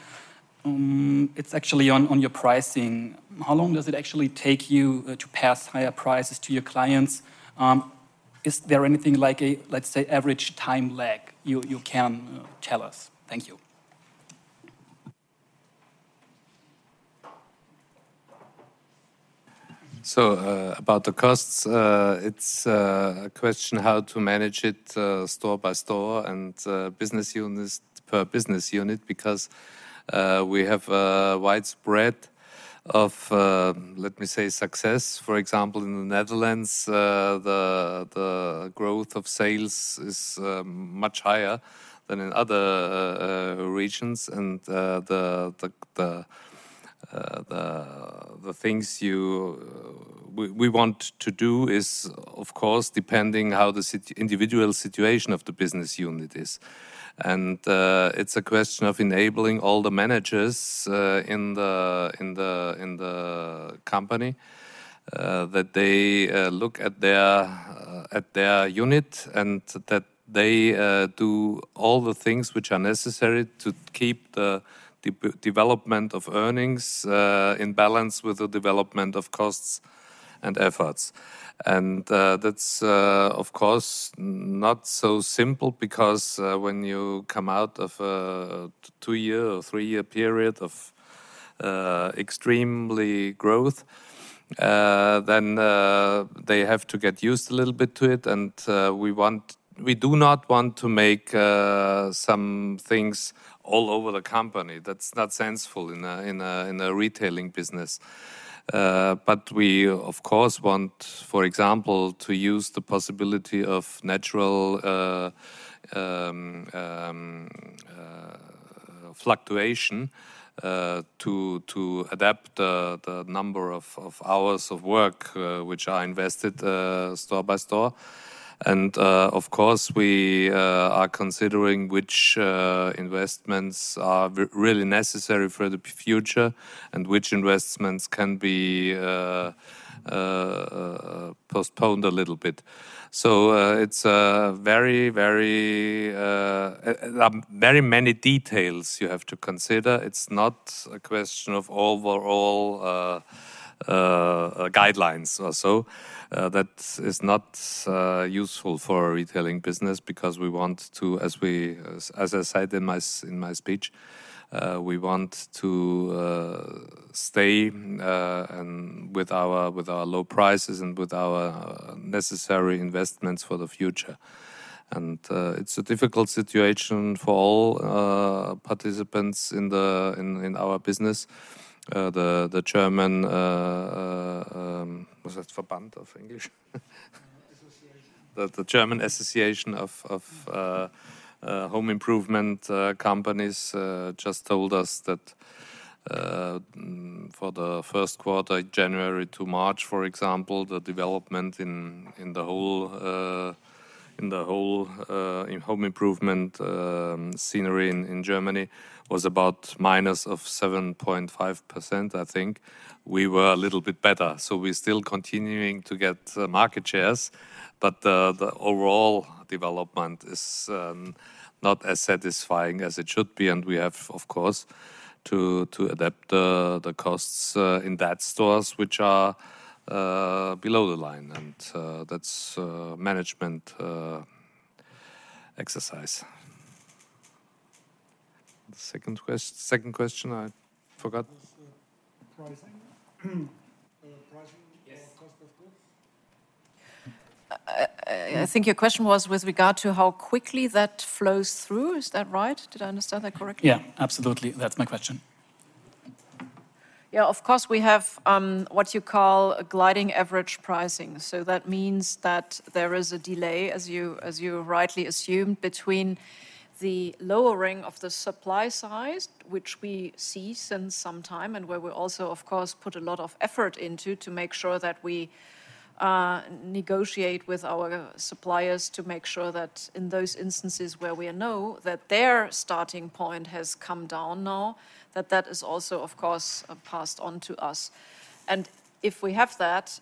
it's actually on your pricing. How long does it actually take you to pass higher prices to your clients? Is there anything like a, let's say, average time lag you can tell us? Thank you. About the costs, it's a question how to manage it, store by store and per business unit because we have a widespread of, let me say success. For example, in the Netherlands, the growth of sales is much higher than in other regions. The things we want to do is of course depending how the individual situation of the business unit is. It's a question of enabling all the managers in the company, that they look at their unit and that they do all the things which are necessary to keep the development of earnings in balance with the development of costs and efforts. It's of course not so simple because when you come out of a two year or three year period of extremely growth, then they have to get used a little bit to it. We do not want to make some things all over the company. That's not sensible in a retailing business. We of course want, for example, to use the possibility of natural fluctuation to adapt the number of hours of work which are invested store by store. Of course, we are considering which investments are really necessary for the future and which investments can be postponed a little bit. It's a very many details you have to consider. It's not a question of overall, guidelines or so. That is not useful for a retailing business because we want to, as I said in my speech, we want to, stay, and with our low prices and with our necessary investments for the future. It's a difficult situation for all, participants in our business. The German- What's that? Verband of English. The German Association of home improvement companies just told us that for the Q1, January to March, for example, the development in the whole in home improvement scenery in Germany was about -7.5%, I think. We were a little bit better, so we're still continuing to get market shares. The overall development is not as satisfying as it should be, and we have, of course, to adapt the costs in that stores which are below the line. That's a management exercise. The second question I forgot. It was pricing. Yes. Cost of goods. I think your question was with regard to how quickly that flows through. Is that right? Did I understand that correctly? Yeah. Absolutely. That's my question. Of course, we have, what you call a moving average pricing. That means that there is a delay, as you, as you rightly assumed, between the lowering of the supply side, which we see since some time, and where we also, of course, put a lot of effort into to make sure that we negotiate with our suppliers to make sure that in those instances where we know that their starting point has come down now, that that is also, of course, passed on to us. If we have that,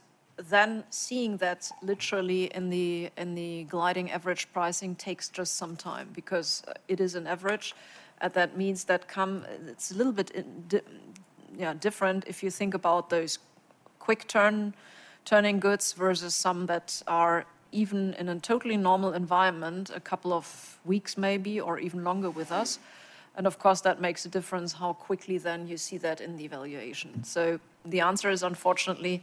then seeing that literally in the, in the moving average pricing takes just some time because it is an average, and that means that come... It's a little bit yeah, different if you think about those quick turn-turning goods versus some that are even in a totally normal environment, a couple of weeks maybe, or even longer with us. Of course, that makes a difference how quickly then you see that in the evaluation. The answer is, unfortunately,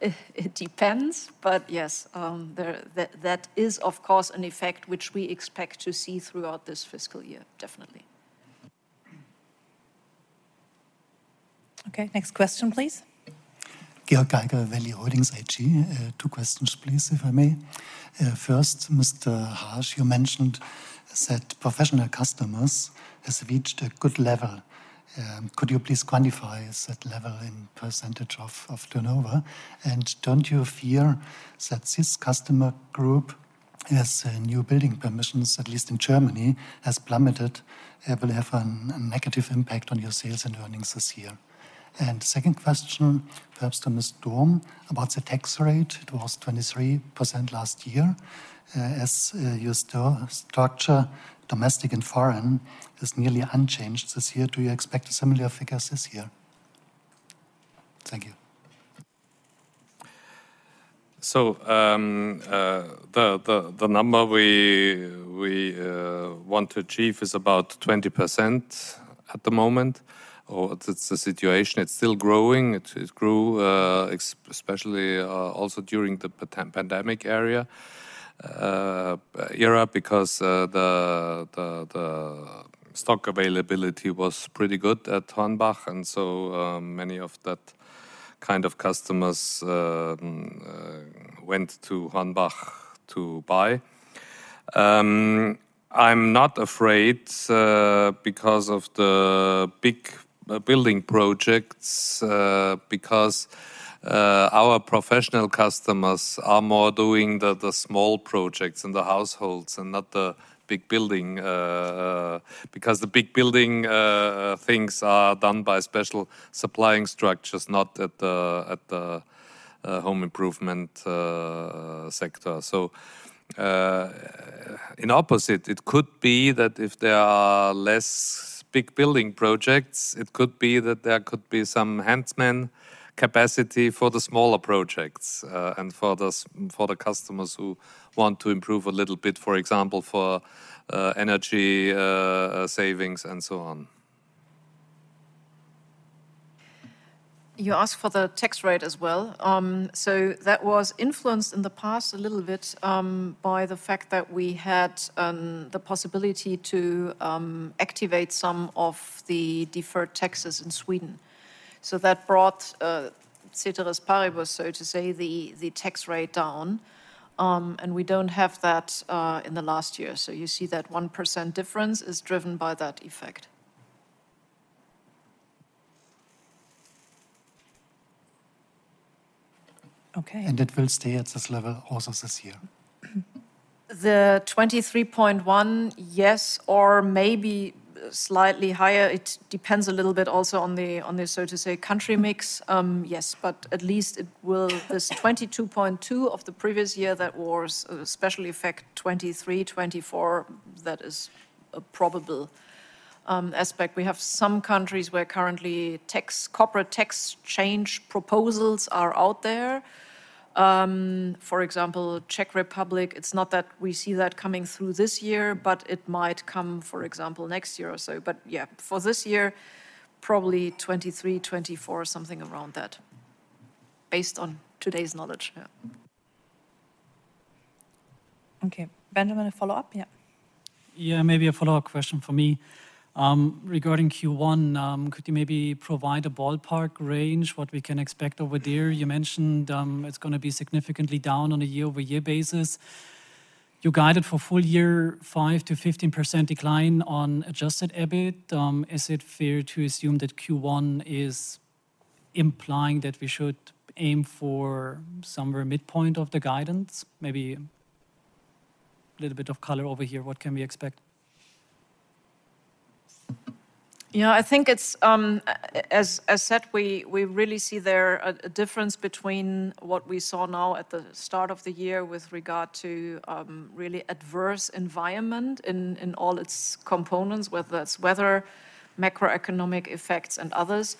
it depends. Yes, that is, of course, an effect which we expect to see throughout this fiscal year, definitely. Next question, please. Georg Geiger, Value-Holdings AG. Two questions please, if I may. First, Mr. Harsch, you mentioned that professional customers has reached a good level. Could you please quantify that level in percentag of turnover? Don't you fear that this customer group has new building permissions, at least in Germany, has plummeted, but have a negative impact on your sales and earnings this year? Second question, perhaps to Ms. Dohm, about the tax rate. It was 23% last year. As your store structure, domestic and foreign, is nearly unchanged this year, do you expect a similar figure this year? Thank you. The number we want to achieve is about 20% at the moment. It's the situation, it's still growing. It grew especially also during the pandemic era because the stock availability was pretty good at HORNBACH, and many of that kind of customers went to HORNBACH to buy. I'm not afraid because of the big building projects, because our professional customers are more doing the small projects and the households and not the big building, because the big building things are done by special supplying structures, not at the home improvement sector. In opposite, it could be that if there are less big building projects, it could be that there could be some handyman capacity for the smaller projects, and for the customers who want to improve a little bit, for example, for energy savings and so on. You asked for the tax rate as well. That was influenced in the past a little bit by the fact that we had the possibility to activate some of the deferred taxes in Sweden. That brought ceteris paribus, so to say, the tax rate down. We don't have that in the last year. You see that 1% difference is driven by that effect. Okay. It will stay at this level also this year? The 23.1%, yes, or maybe slightly higher. It depends a little bit also on the, on the, so to say, country mix. Yes, but at least this 22.2% of the previous year, that was a special effect. 23%, 24%, that is a probable aspect. We have some countries where currently tax, corporate tax change proposals are out there. For example, Czech Republic, it's not that we see that coming through this year, but it might come, for example, next year or so. Yeah, for this year, probably 23%, 24% something around that based on today's knowledge. Yeah. Okay. Benjamin, a follow-up? Yeah. Maybe a follow-up question from me. Regarding Q1, could you maybe provide a ballpark range what we can expect over there? You mentioned, it's gonna be significantly down on a year-over-year basis. You guided for full year 5%-15% decline on adjusted EBIT. Is it fair to assume that Q1 is implying that we should aim for somewhere midpoint of the guidance? Maybe little bit of color over here, what can we expect? Yeah. I think it's, as said, we really see there a difference between what we saw now at the start of the year with regard to really adverse environment in all its components, whether it's weather, macroeconomic effects and others.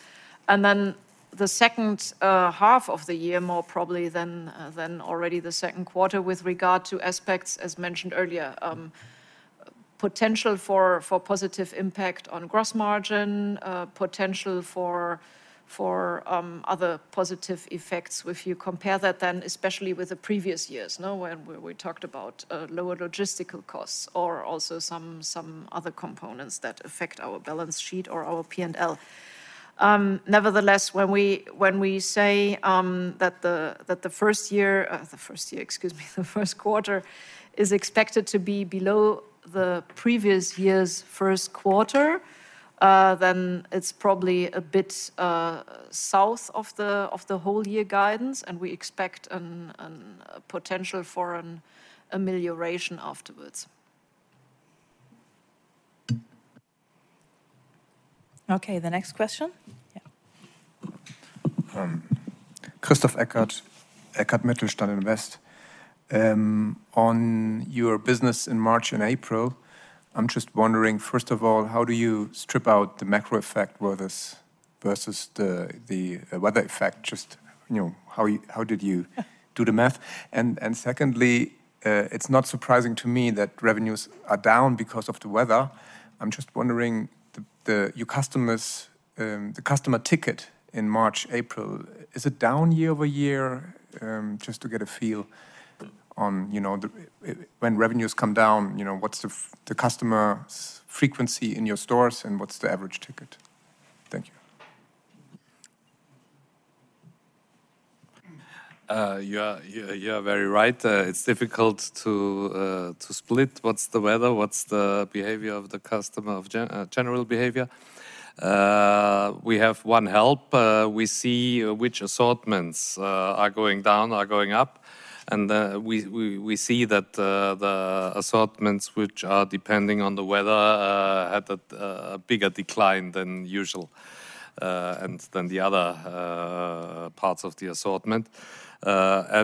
Then the second half of the year more probably than already the Q2 with regard to aspects, as mentioned earlier, potential for positive impact on gross margin, potential for other positive effects. If you compare that then especially with the previous years, no, when we talked about lower logistical costs or also some other components that affect our balance sheet or our P&L. When we say that the first year, excuse me, the Q1 is expected to be below the previous year's Q1, then it's probably a bit south of the whole year guidance. We expect a potential for an amelioration afterwards. Okay. The next question? Yeah. Christoph Eckert, Eckert Mittelstand Invest. On your business in March and April, I'm just wondering, first of all, how do you strip out the macro effect weathers versus the weather effect? Just, you know, how did you do the math? Secondly, it's not surprising to me that revenues are down because of the weather. I'm just wondering your customers, the customer ticket in March, April, is it down year-over-year? Just to get a feel on, you know, when revenues come down, you know, what's the customer frequency in your stores, and what's the average ticket? Thank you. You are very right. It's difficult to split what's the weather, what's the behavior of the customer of general behavior. We have one help. We see which assortments are going down, are going up. We see that the assortments which are depending on the weather. Had a bigger decline than usual and than the other parts of the assortment. The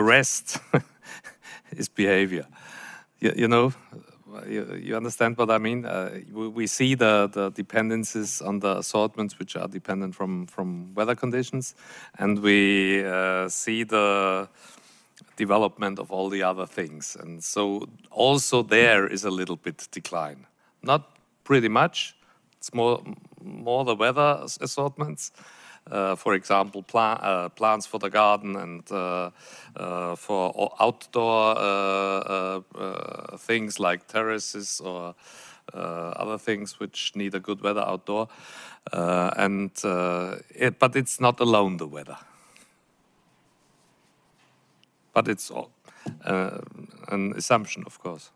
rest is behavior. You know? You understand what I mean? We see the dependencies on the assortments which are dependent from weather conditions, and we see the development of all the other things. Also there is a little bit decline. Not pretty much. It's more the weather assortments. For example, plants for the garden and for outdoor things like terraces or other things which need a good weather outdoor. It's not alone, the weather. It's all an assumption, of course,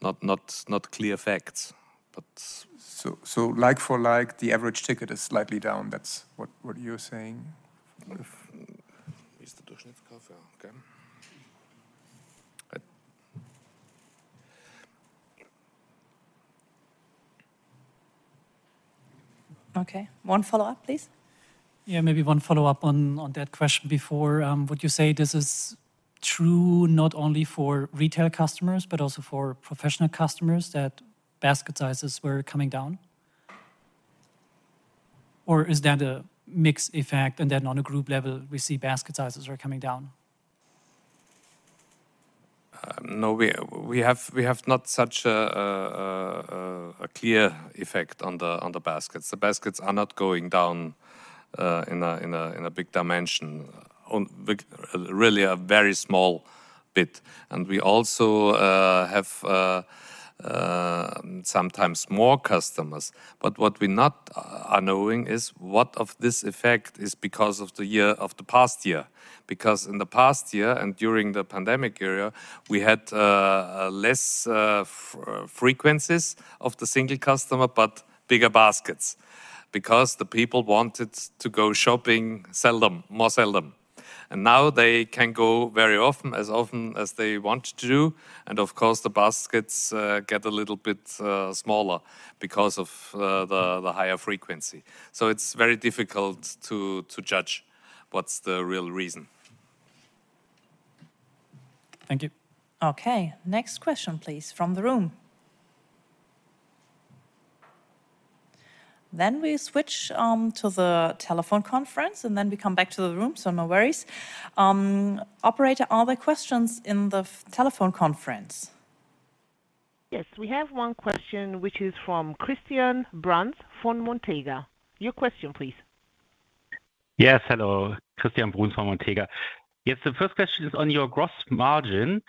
not clear facts. Like-for-like, the average ticket is slightly down. That's what you're saying? With Mr. Duschner's coffee. Okay. Okay. One follow-up, please. Yeah, maybe one follow-up on that question before. Would you say this is true not only for retail customers but also for professional customers, that basket sizes were coming down? Is that a mixed effect and then on a group level we see basket sizes are coming down? No, we have not such a clear effect on the baskets. The baskets are not going down in a big dimension. Really a very small bit. We also have sometimes more customers. What we not are knowing is what of this effect is because of the year, of the past year. In the past year, during the pandemic era, we had a less frequencies of the single customer, but bigger baskets because the people wanted to go shopping seldom, more seldom. Now they can go very often, as often as they want to do. Of course, the baskets get a little bit smaller because of the higher frequency. It's very difficult to judge what's the real reason. Thank you. Okay. Next question please, from the room. We switch to the telephone conference, we come back to the room, no worries. Operator, are there questions in the telephone conference? We have one question, which is from Christian Bruns von Montega. Your question please. Yes, hello. Christian Bruns von Montega. Yes, the first question is on your gross margin.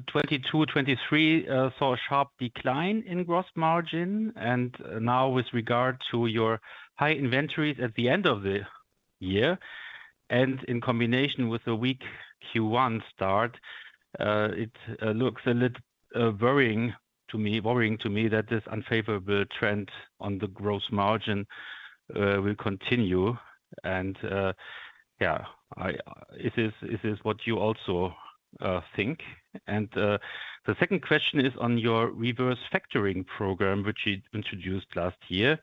2022/2023 saw a sharp decline in gross margin. Now with regard to your high inventories at the end of the year, in combination with the weak Q1 start, it looks worrying to me that this unfavorable trend on the gross margin will continue. Is this what you also think? The second question is on your reverse factoring program, which you introduced last year.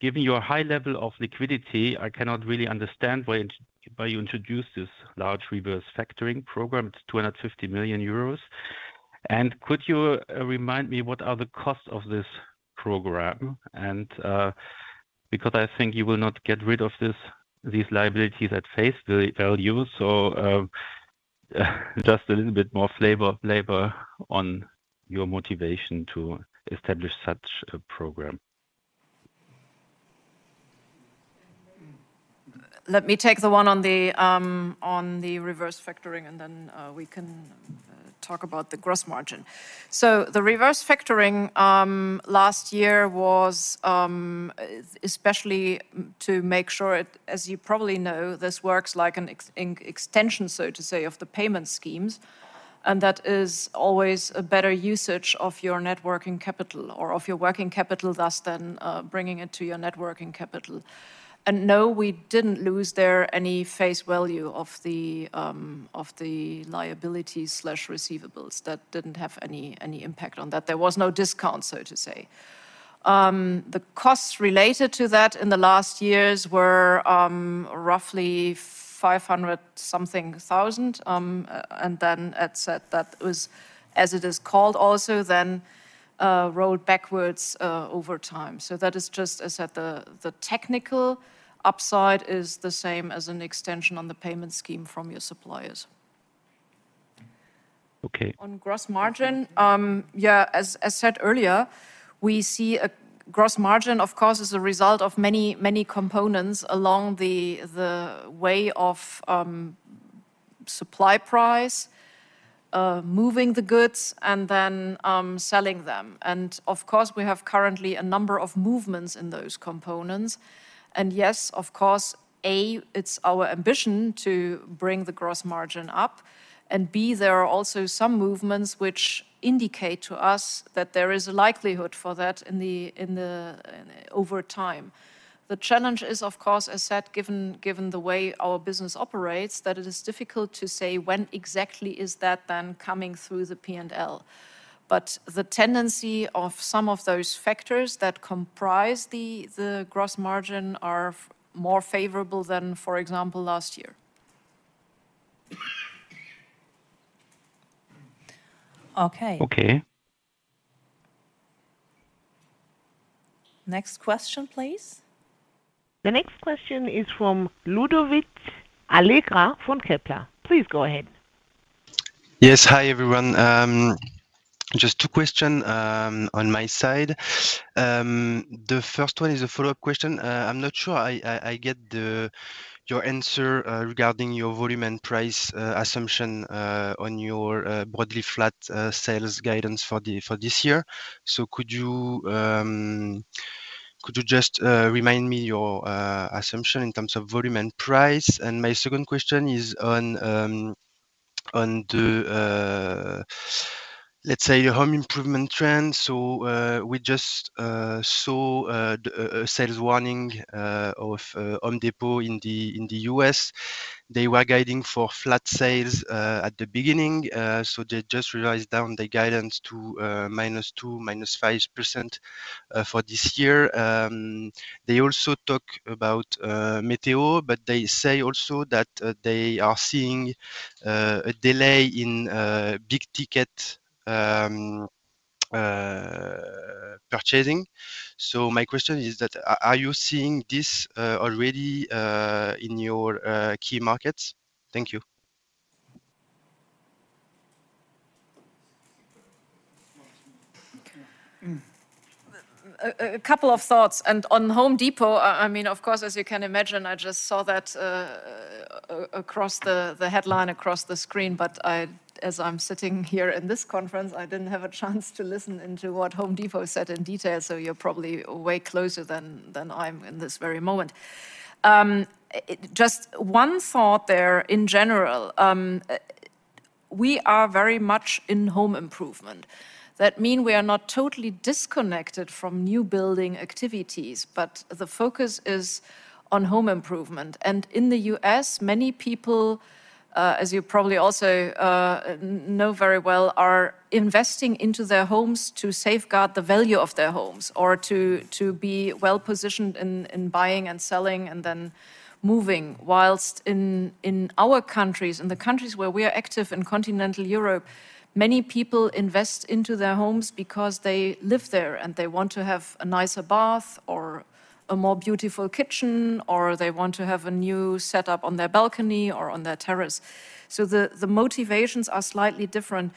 Given your high level of liquidity, I cannot really understand why you introduced this large reverse factoring program. It's 250 million euros. Could you remind me what are the costs of this program? Because I think you will not get rid of this, these liabilities at face value. Just a little bit more flavor, labor on your motivation to establish such a program. Let me take the one on the reverse factoring, and then we can talk about the gross margin. The reverse factoring last year was especially to make sure, as you probably know, this works like an extension, so to say, of the payment schemes. That is always a better usage of your networking capital or of your working capital thus then bringing it to your networking capital. No, we didn't lose there any face value of the liability/receivables. That didn't have any impact on that. There was no discount, so to say. The costs related to that in the last years were roughly 500 something thousand, and then at said that was, as it is called also then, rolled backwards over time. That is just as at the technical upside is the same as an extension on the payment scheme from your suppliers. Okay. On gross margin, yeah, as said earlier, we see a gross margin of course as a result of many, many components along the way of supply price, moving the goods, and then selling them. Of course, we have currently a number of movements in those components. Yes, of course, A, it's our ambition to bring the gross margin up, and B, there are also some movements which indicate to us that there is a likelihood for that in the over time. The challenge is of course, as said, given the way our business operates, that it is difficult to say when exactly is that then coming through the P&L. The tendency of some of those factors that comprise the gross margin are more favorable than, for example, last year. Okay. Okay. Next question, please. The next question is from Ludovic Allegre from Kepler. Please go ahead. Yes. Hi, everyone. Just two question on my side. The first one is a follow-up question. I'm not sure I get your answer regarding your volume and price assumption on your broadly flat sales guidance for this year. Could you just remind me your assumption in terms of volume and price? My second question is on on the, let's say, home improvement trend. We just saw the a sales warning of Home Depot in the U.S. They were guiding for flat sales at the beginning, so they just revised down the guidance to -2%, -5% for this year. They also talk about meteor, but they say also that they are seeing a delay in big-ticket purchasing. My question is that, are you seeing this already in your key markets? Thank you. A couple of thoughts. On Home Depot, I mean, of course, as you can imagine, I just saw that across the headline across the screen, but as I'm sitting here in this conference, I didn't have a chance to listen into what Home Depot said in detail, so you're probably way closer than I'm in this very moment. Just one thought there in general. We are very much in home improvement. That mean we are not totally disconnected from new building activities, but the focus is on home improvement. In the U.S., many people, as you probably also know very well, are investing into their homes to safeguard the value of their homes or to be well-positioned in buying and selling and then moving. Whilst in our countries, in the countries where we are active in continental Europe, many people invest into their homes because they live there, and they want to have a nicer bath or a more beautiful kitchen, or they want to have a new setup on their balcony or on their terrace. The motivations are slightly different.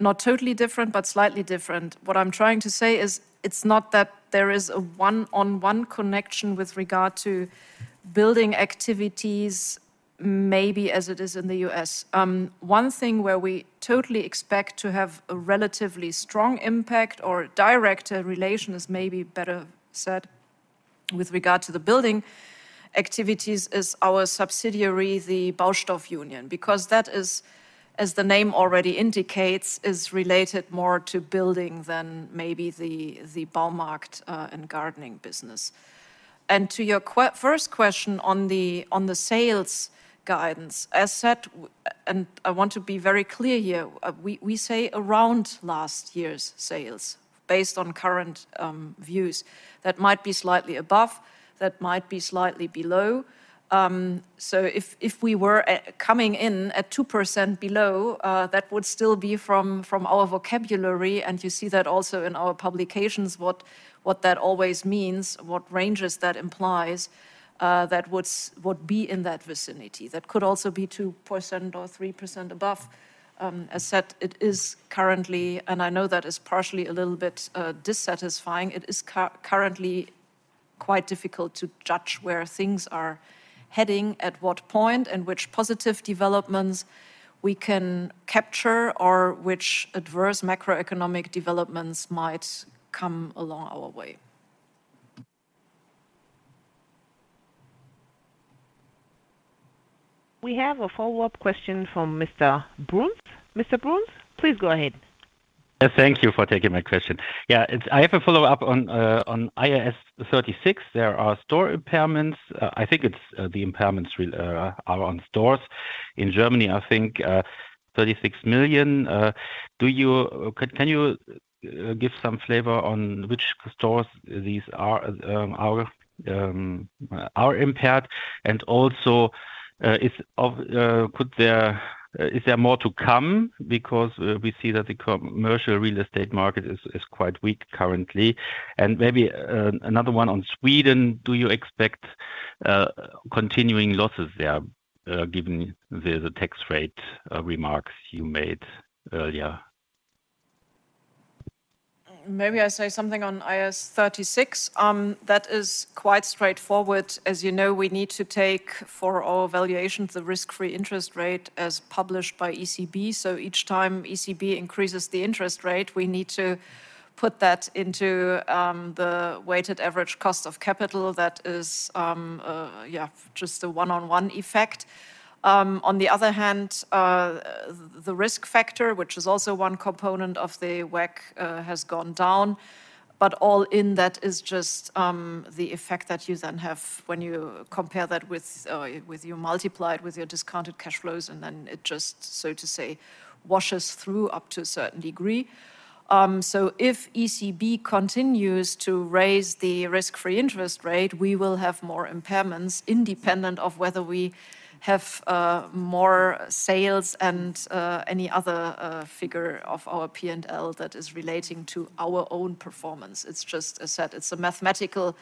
Not totally different, but slightly different. What I'm trying to say is it's not that there is a one-on-one connection with regard to building activities, maybe as it is in the U.S. One thing where we totally expect to have a relatively strong impact or a direct relation is maybe better said with regard to the building activities is our subsidiary, the Baustoff Union, because that is, as the name already indicates, is related more to building than maybe the Baumarkt and gardening business. To your first question on the sales guidance, as said, I want to be very clear here, we say around last year's sales based on current views. That might be slightly above, that might be slightly below. If we were coming in at 2% below, that would still be from our vocabulary, and you see that also in our publications, what that always means, what ranges that implies, that would be in that vicinity. That could also be 2% or 3% above. As said, it is currently, and I know that is partially a little bit dissatisfying, it is currently quite difficult to judge where things are heading at what point and which positive developments we can capture or which adverse macroeconomic developments might come along our way. We have a follow-up question from Mr. Bruns. Mr. Bruns, please go ahead. Thank you for taking my question. I have a follow-up on IAS 36. There are store impairments. I think it's the impairments are on stores. In Germany, I think, 36 million. Can you give some flavor on which stores these are impaired? Also, could there is there more to come? We see that the commercial real estate market is quite weak currently. Maybe another one on Sweden, do you expect continuing losses there, given the tax rate remarks you made earlier? Maybe I say something on IAS 36. That is quite straightforward. As you know, we need to take for our valuations the risk-free interest rate as published by ECB. Each time ECB increases the interest rate, we need to put that into the weighted average cost of capital. That is just a one-on-one effect. On the other hand, the risk factor, which is also one component of the WACC, has gone down. All in that is just the effect that you then have when you compare that with. You multiply it with your discounted cash flows, and then it just, so to say, washes through up to a certain degree. If ECB continues to raise the risk-free interest rate, we will have more impairments independent of whether we have more sales and any other figure of our P&L that is relating to our own performance. It's just as said, it's a mathematical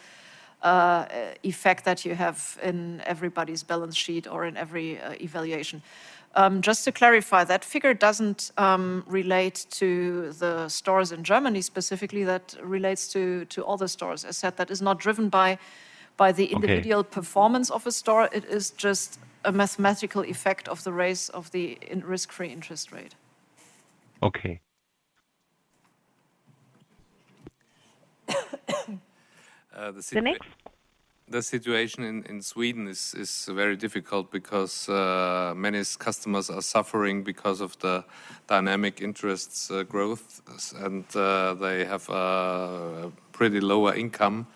effect that you have in everybody's balance sheet or in every evaluation. Just to clarify, that figure doesn't relate to the stores in Germany specifically. That relates to all the stores. As said, that is not driven by. Okay Individual performance of a store. It is just a mathematical effect of the raise of the risk-free interest rate. Okay. The situation in Sweden is very difficult because many customers are suffering because of the dynamic interests growth and they have pretty lower income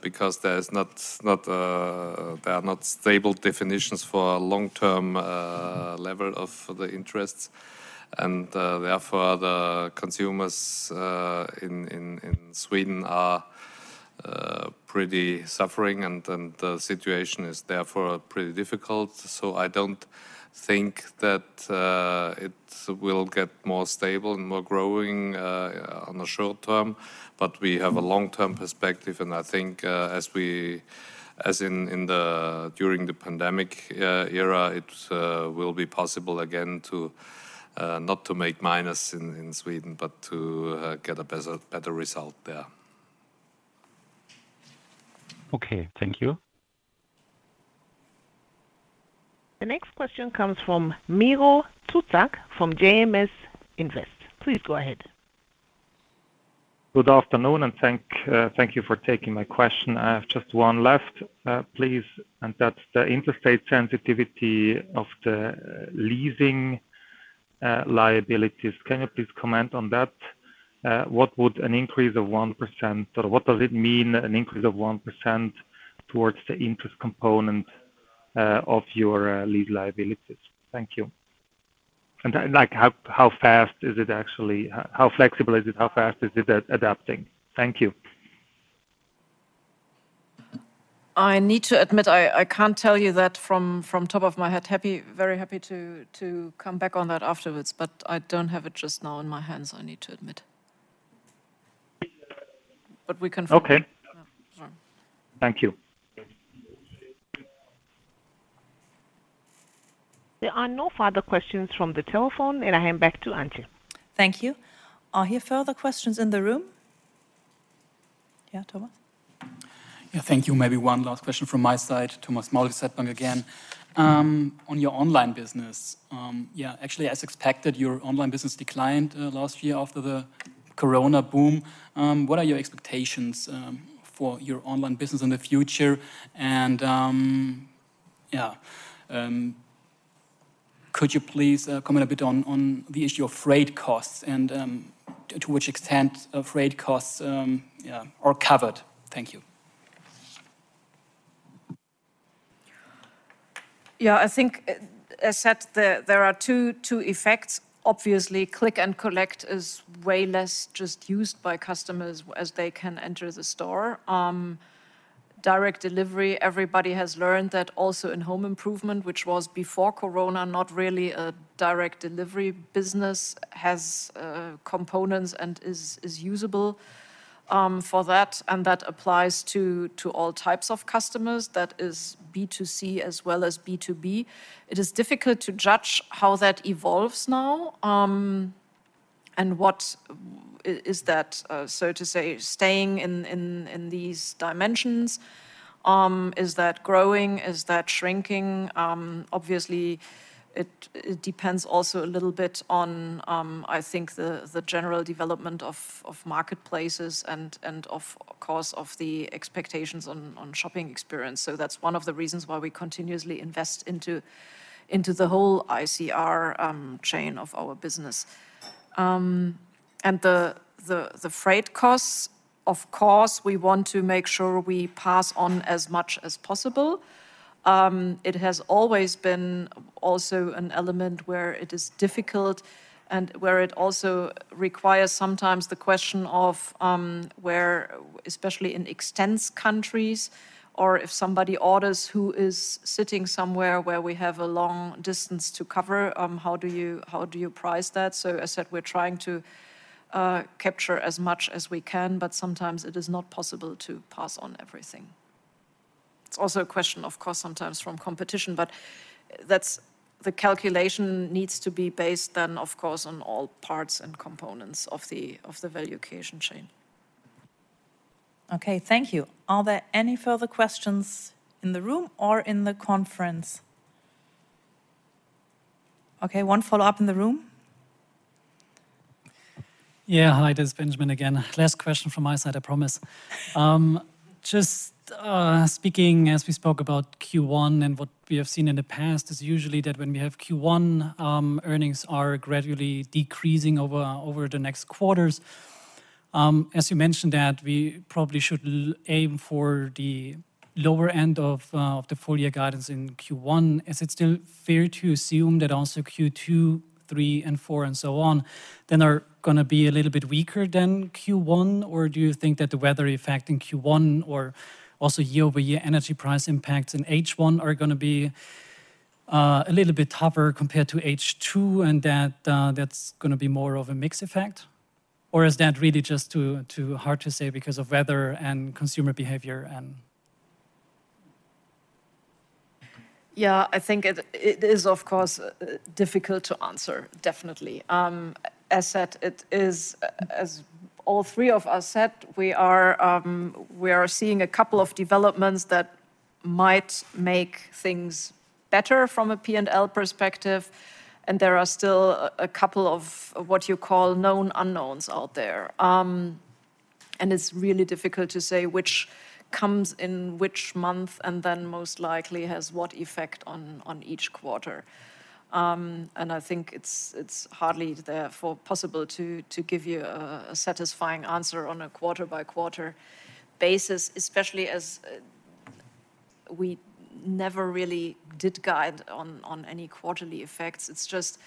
because there is not, there are not stable definitions for long-term level of the interests. Therefore, the consumers in Sweden are pretty suffering and the situation is therefore pretty difficult. I don't think that it will get more stable and more growing on the short term. We have a long-term perspective, and I think as we, in the, during the pandemic era, it will be possible again to not to make minus in Sweden, but to get a better result there. Okay. Thank you. The next question comes from Miro Zuzak from JMS Invest. Please go ahead. Good afternoon, thank you for taking my question. I have just one left, please, and that's the interest rate sensitivity of the leasing liabilities. Can you please comment on that? What would an increase of 1%, or what does it mean an increase of 1% towards the interest component of your lease liabilities? Thank you. Like how fast is it actually? How flexible is it? How fast is it adapting? Thank you. I need to admit, I can't tell you that from top of my head. Happy, very happy to come back on that afterwards, but I don't have it just now in my hands, I need to admit. We can follow up. Okay. Yeah, sure. Thank you. There are no further questions from the telephone, and I hand back to Antje. Thank you. Are here further questions in the room? Yeah, Thomas. Thank you. Maybe one last question from my side. Thomas Maul, DZ Bank again. On your online business, actually, as expected, your online business declined last year after the corona boom. What are your expectations for your online business in the future? Could you please comment a bit on the issue of freight costs and to which extent freight costs are covered? Thank you. I think as said, there are two effects. Obviously, click and collect is way less just used by customers as they can enter the store. Direct delivery, everybody has learned that also in home improvement, which was before corona not really a direct delivery business, has components and is usable for that, and that applies to all types of customers. That is B2C as well as B2B. It is difficult to judge how that evolves now, and what is that, so to say, staying in these dimensions. Is that growing? Is that shrinking? Obviously it depends also a little bit on, I think the general development of marketplaces and of course, of the expectations on shopping experience. That's one of the reasons why we continuously invest into the whole ICR chain of our business. And the freight costs, of course, we want to make sure we pass on as much as possible. It has always been also an element where it is difficult and where it also requires sometimes the question of where especially in extents countries or if somebody orders who is sitting somewhere where we have a long distance to cover, how do you price that? As said, we're trying to capture as much as we can, but sometimes it is not possible to pass on everything. It's also a question of cost sometimes from competition, but that's the calculation needs to be based then, of course, on all parts and components of the value creation chain. Okay. Thank you. Are there any further questions in the room or in the conference? Okay. One follow-up in the room. Hi, this is Benjamin again. Last question from my side, I promise. Just speaking as we spoke about Q1 and what we have seen in the past is usually that when we have Q1, earnings are gradually decreasing over the next quarters. As you mentioned that we probably should aim for the lower end of the full year guidance in Q1. Is it still fair to assume that also Q2, three, and four, and so on, then are gonna be a little bit weaker than Q1? Or do you think that the weather effect in Q1 or also year-over-year energy price impacts in H1 are gonna be a little bit tougher compared to H2 and that that's gonna be more of a mix effect? Or is that really just too hard to say because of weather and consumer behavior and... Yeah, I think it is, of course, difficult to answer, definitely. As all three of us said, we are seeing a couple of developments that might make things better from a P&L perspective, and there are still a couple of what you call known unknowns out there. It's really difficult to say which comes in which month and then most likely has what effect on each quarter. I think it's hardly therefore possible to give you a satisfying answer on a quarter-by-quarter basis, especially as we never really did guide on any quarterly effects. It's just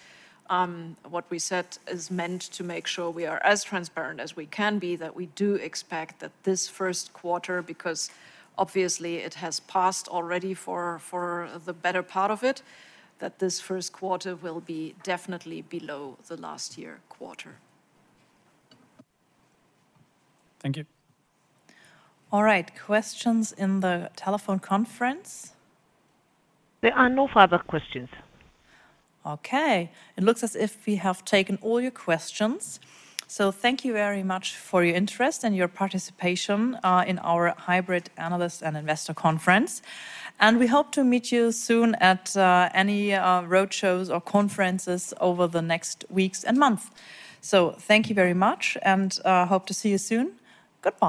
what we said is meant to make sure we are as transparent as we can be, that we do expect that this first quarter, because obviously it has passed already for the better part of it, that this first quarter will be definitely below the last year quarter. Thank you. All right. Questions in the telephone conference? There are no further questions. Okay. It looks as if we have taken all your questions. Thank you very much for your interest and your participation, in our hybrid analyst and investor conference. We hope to meet you soon at any roadshows or conferences over the next weeks and month. Thank you very much and hope to see you soon. Goodbye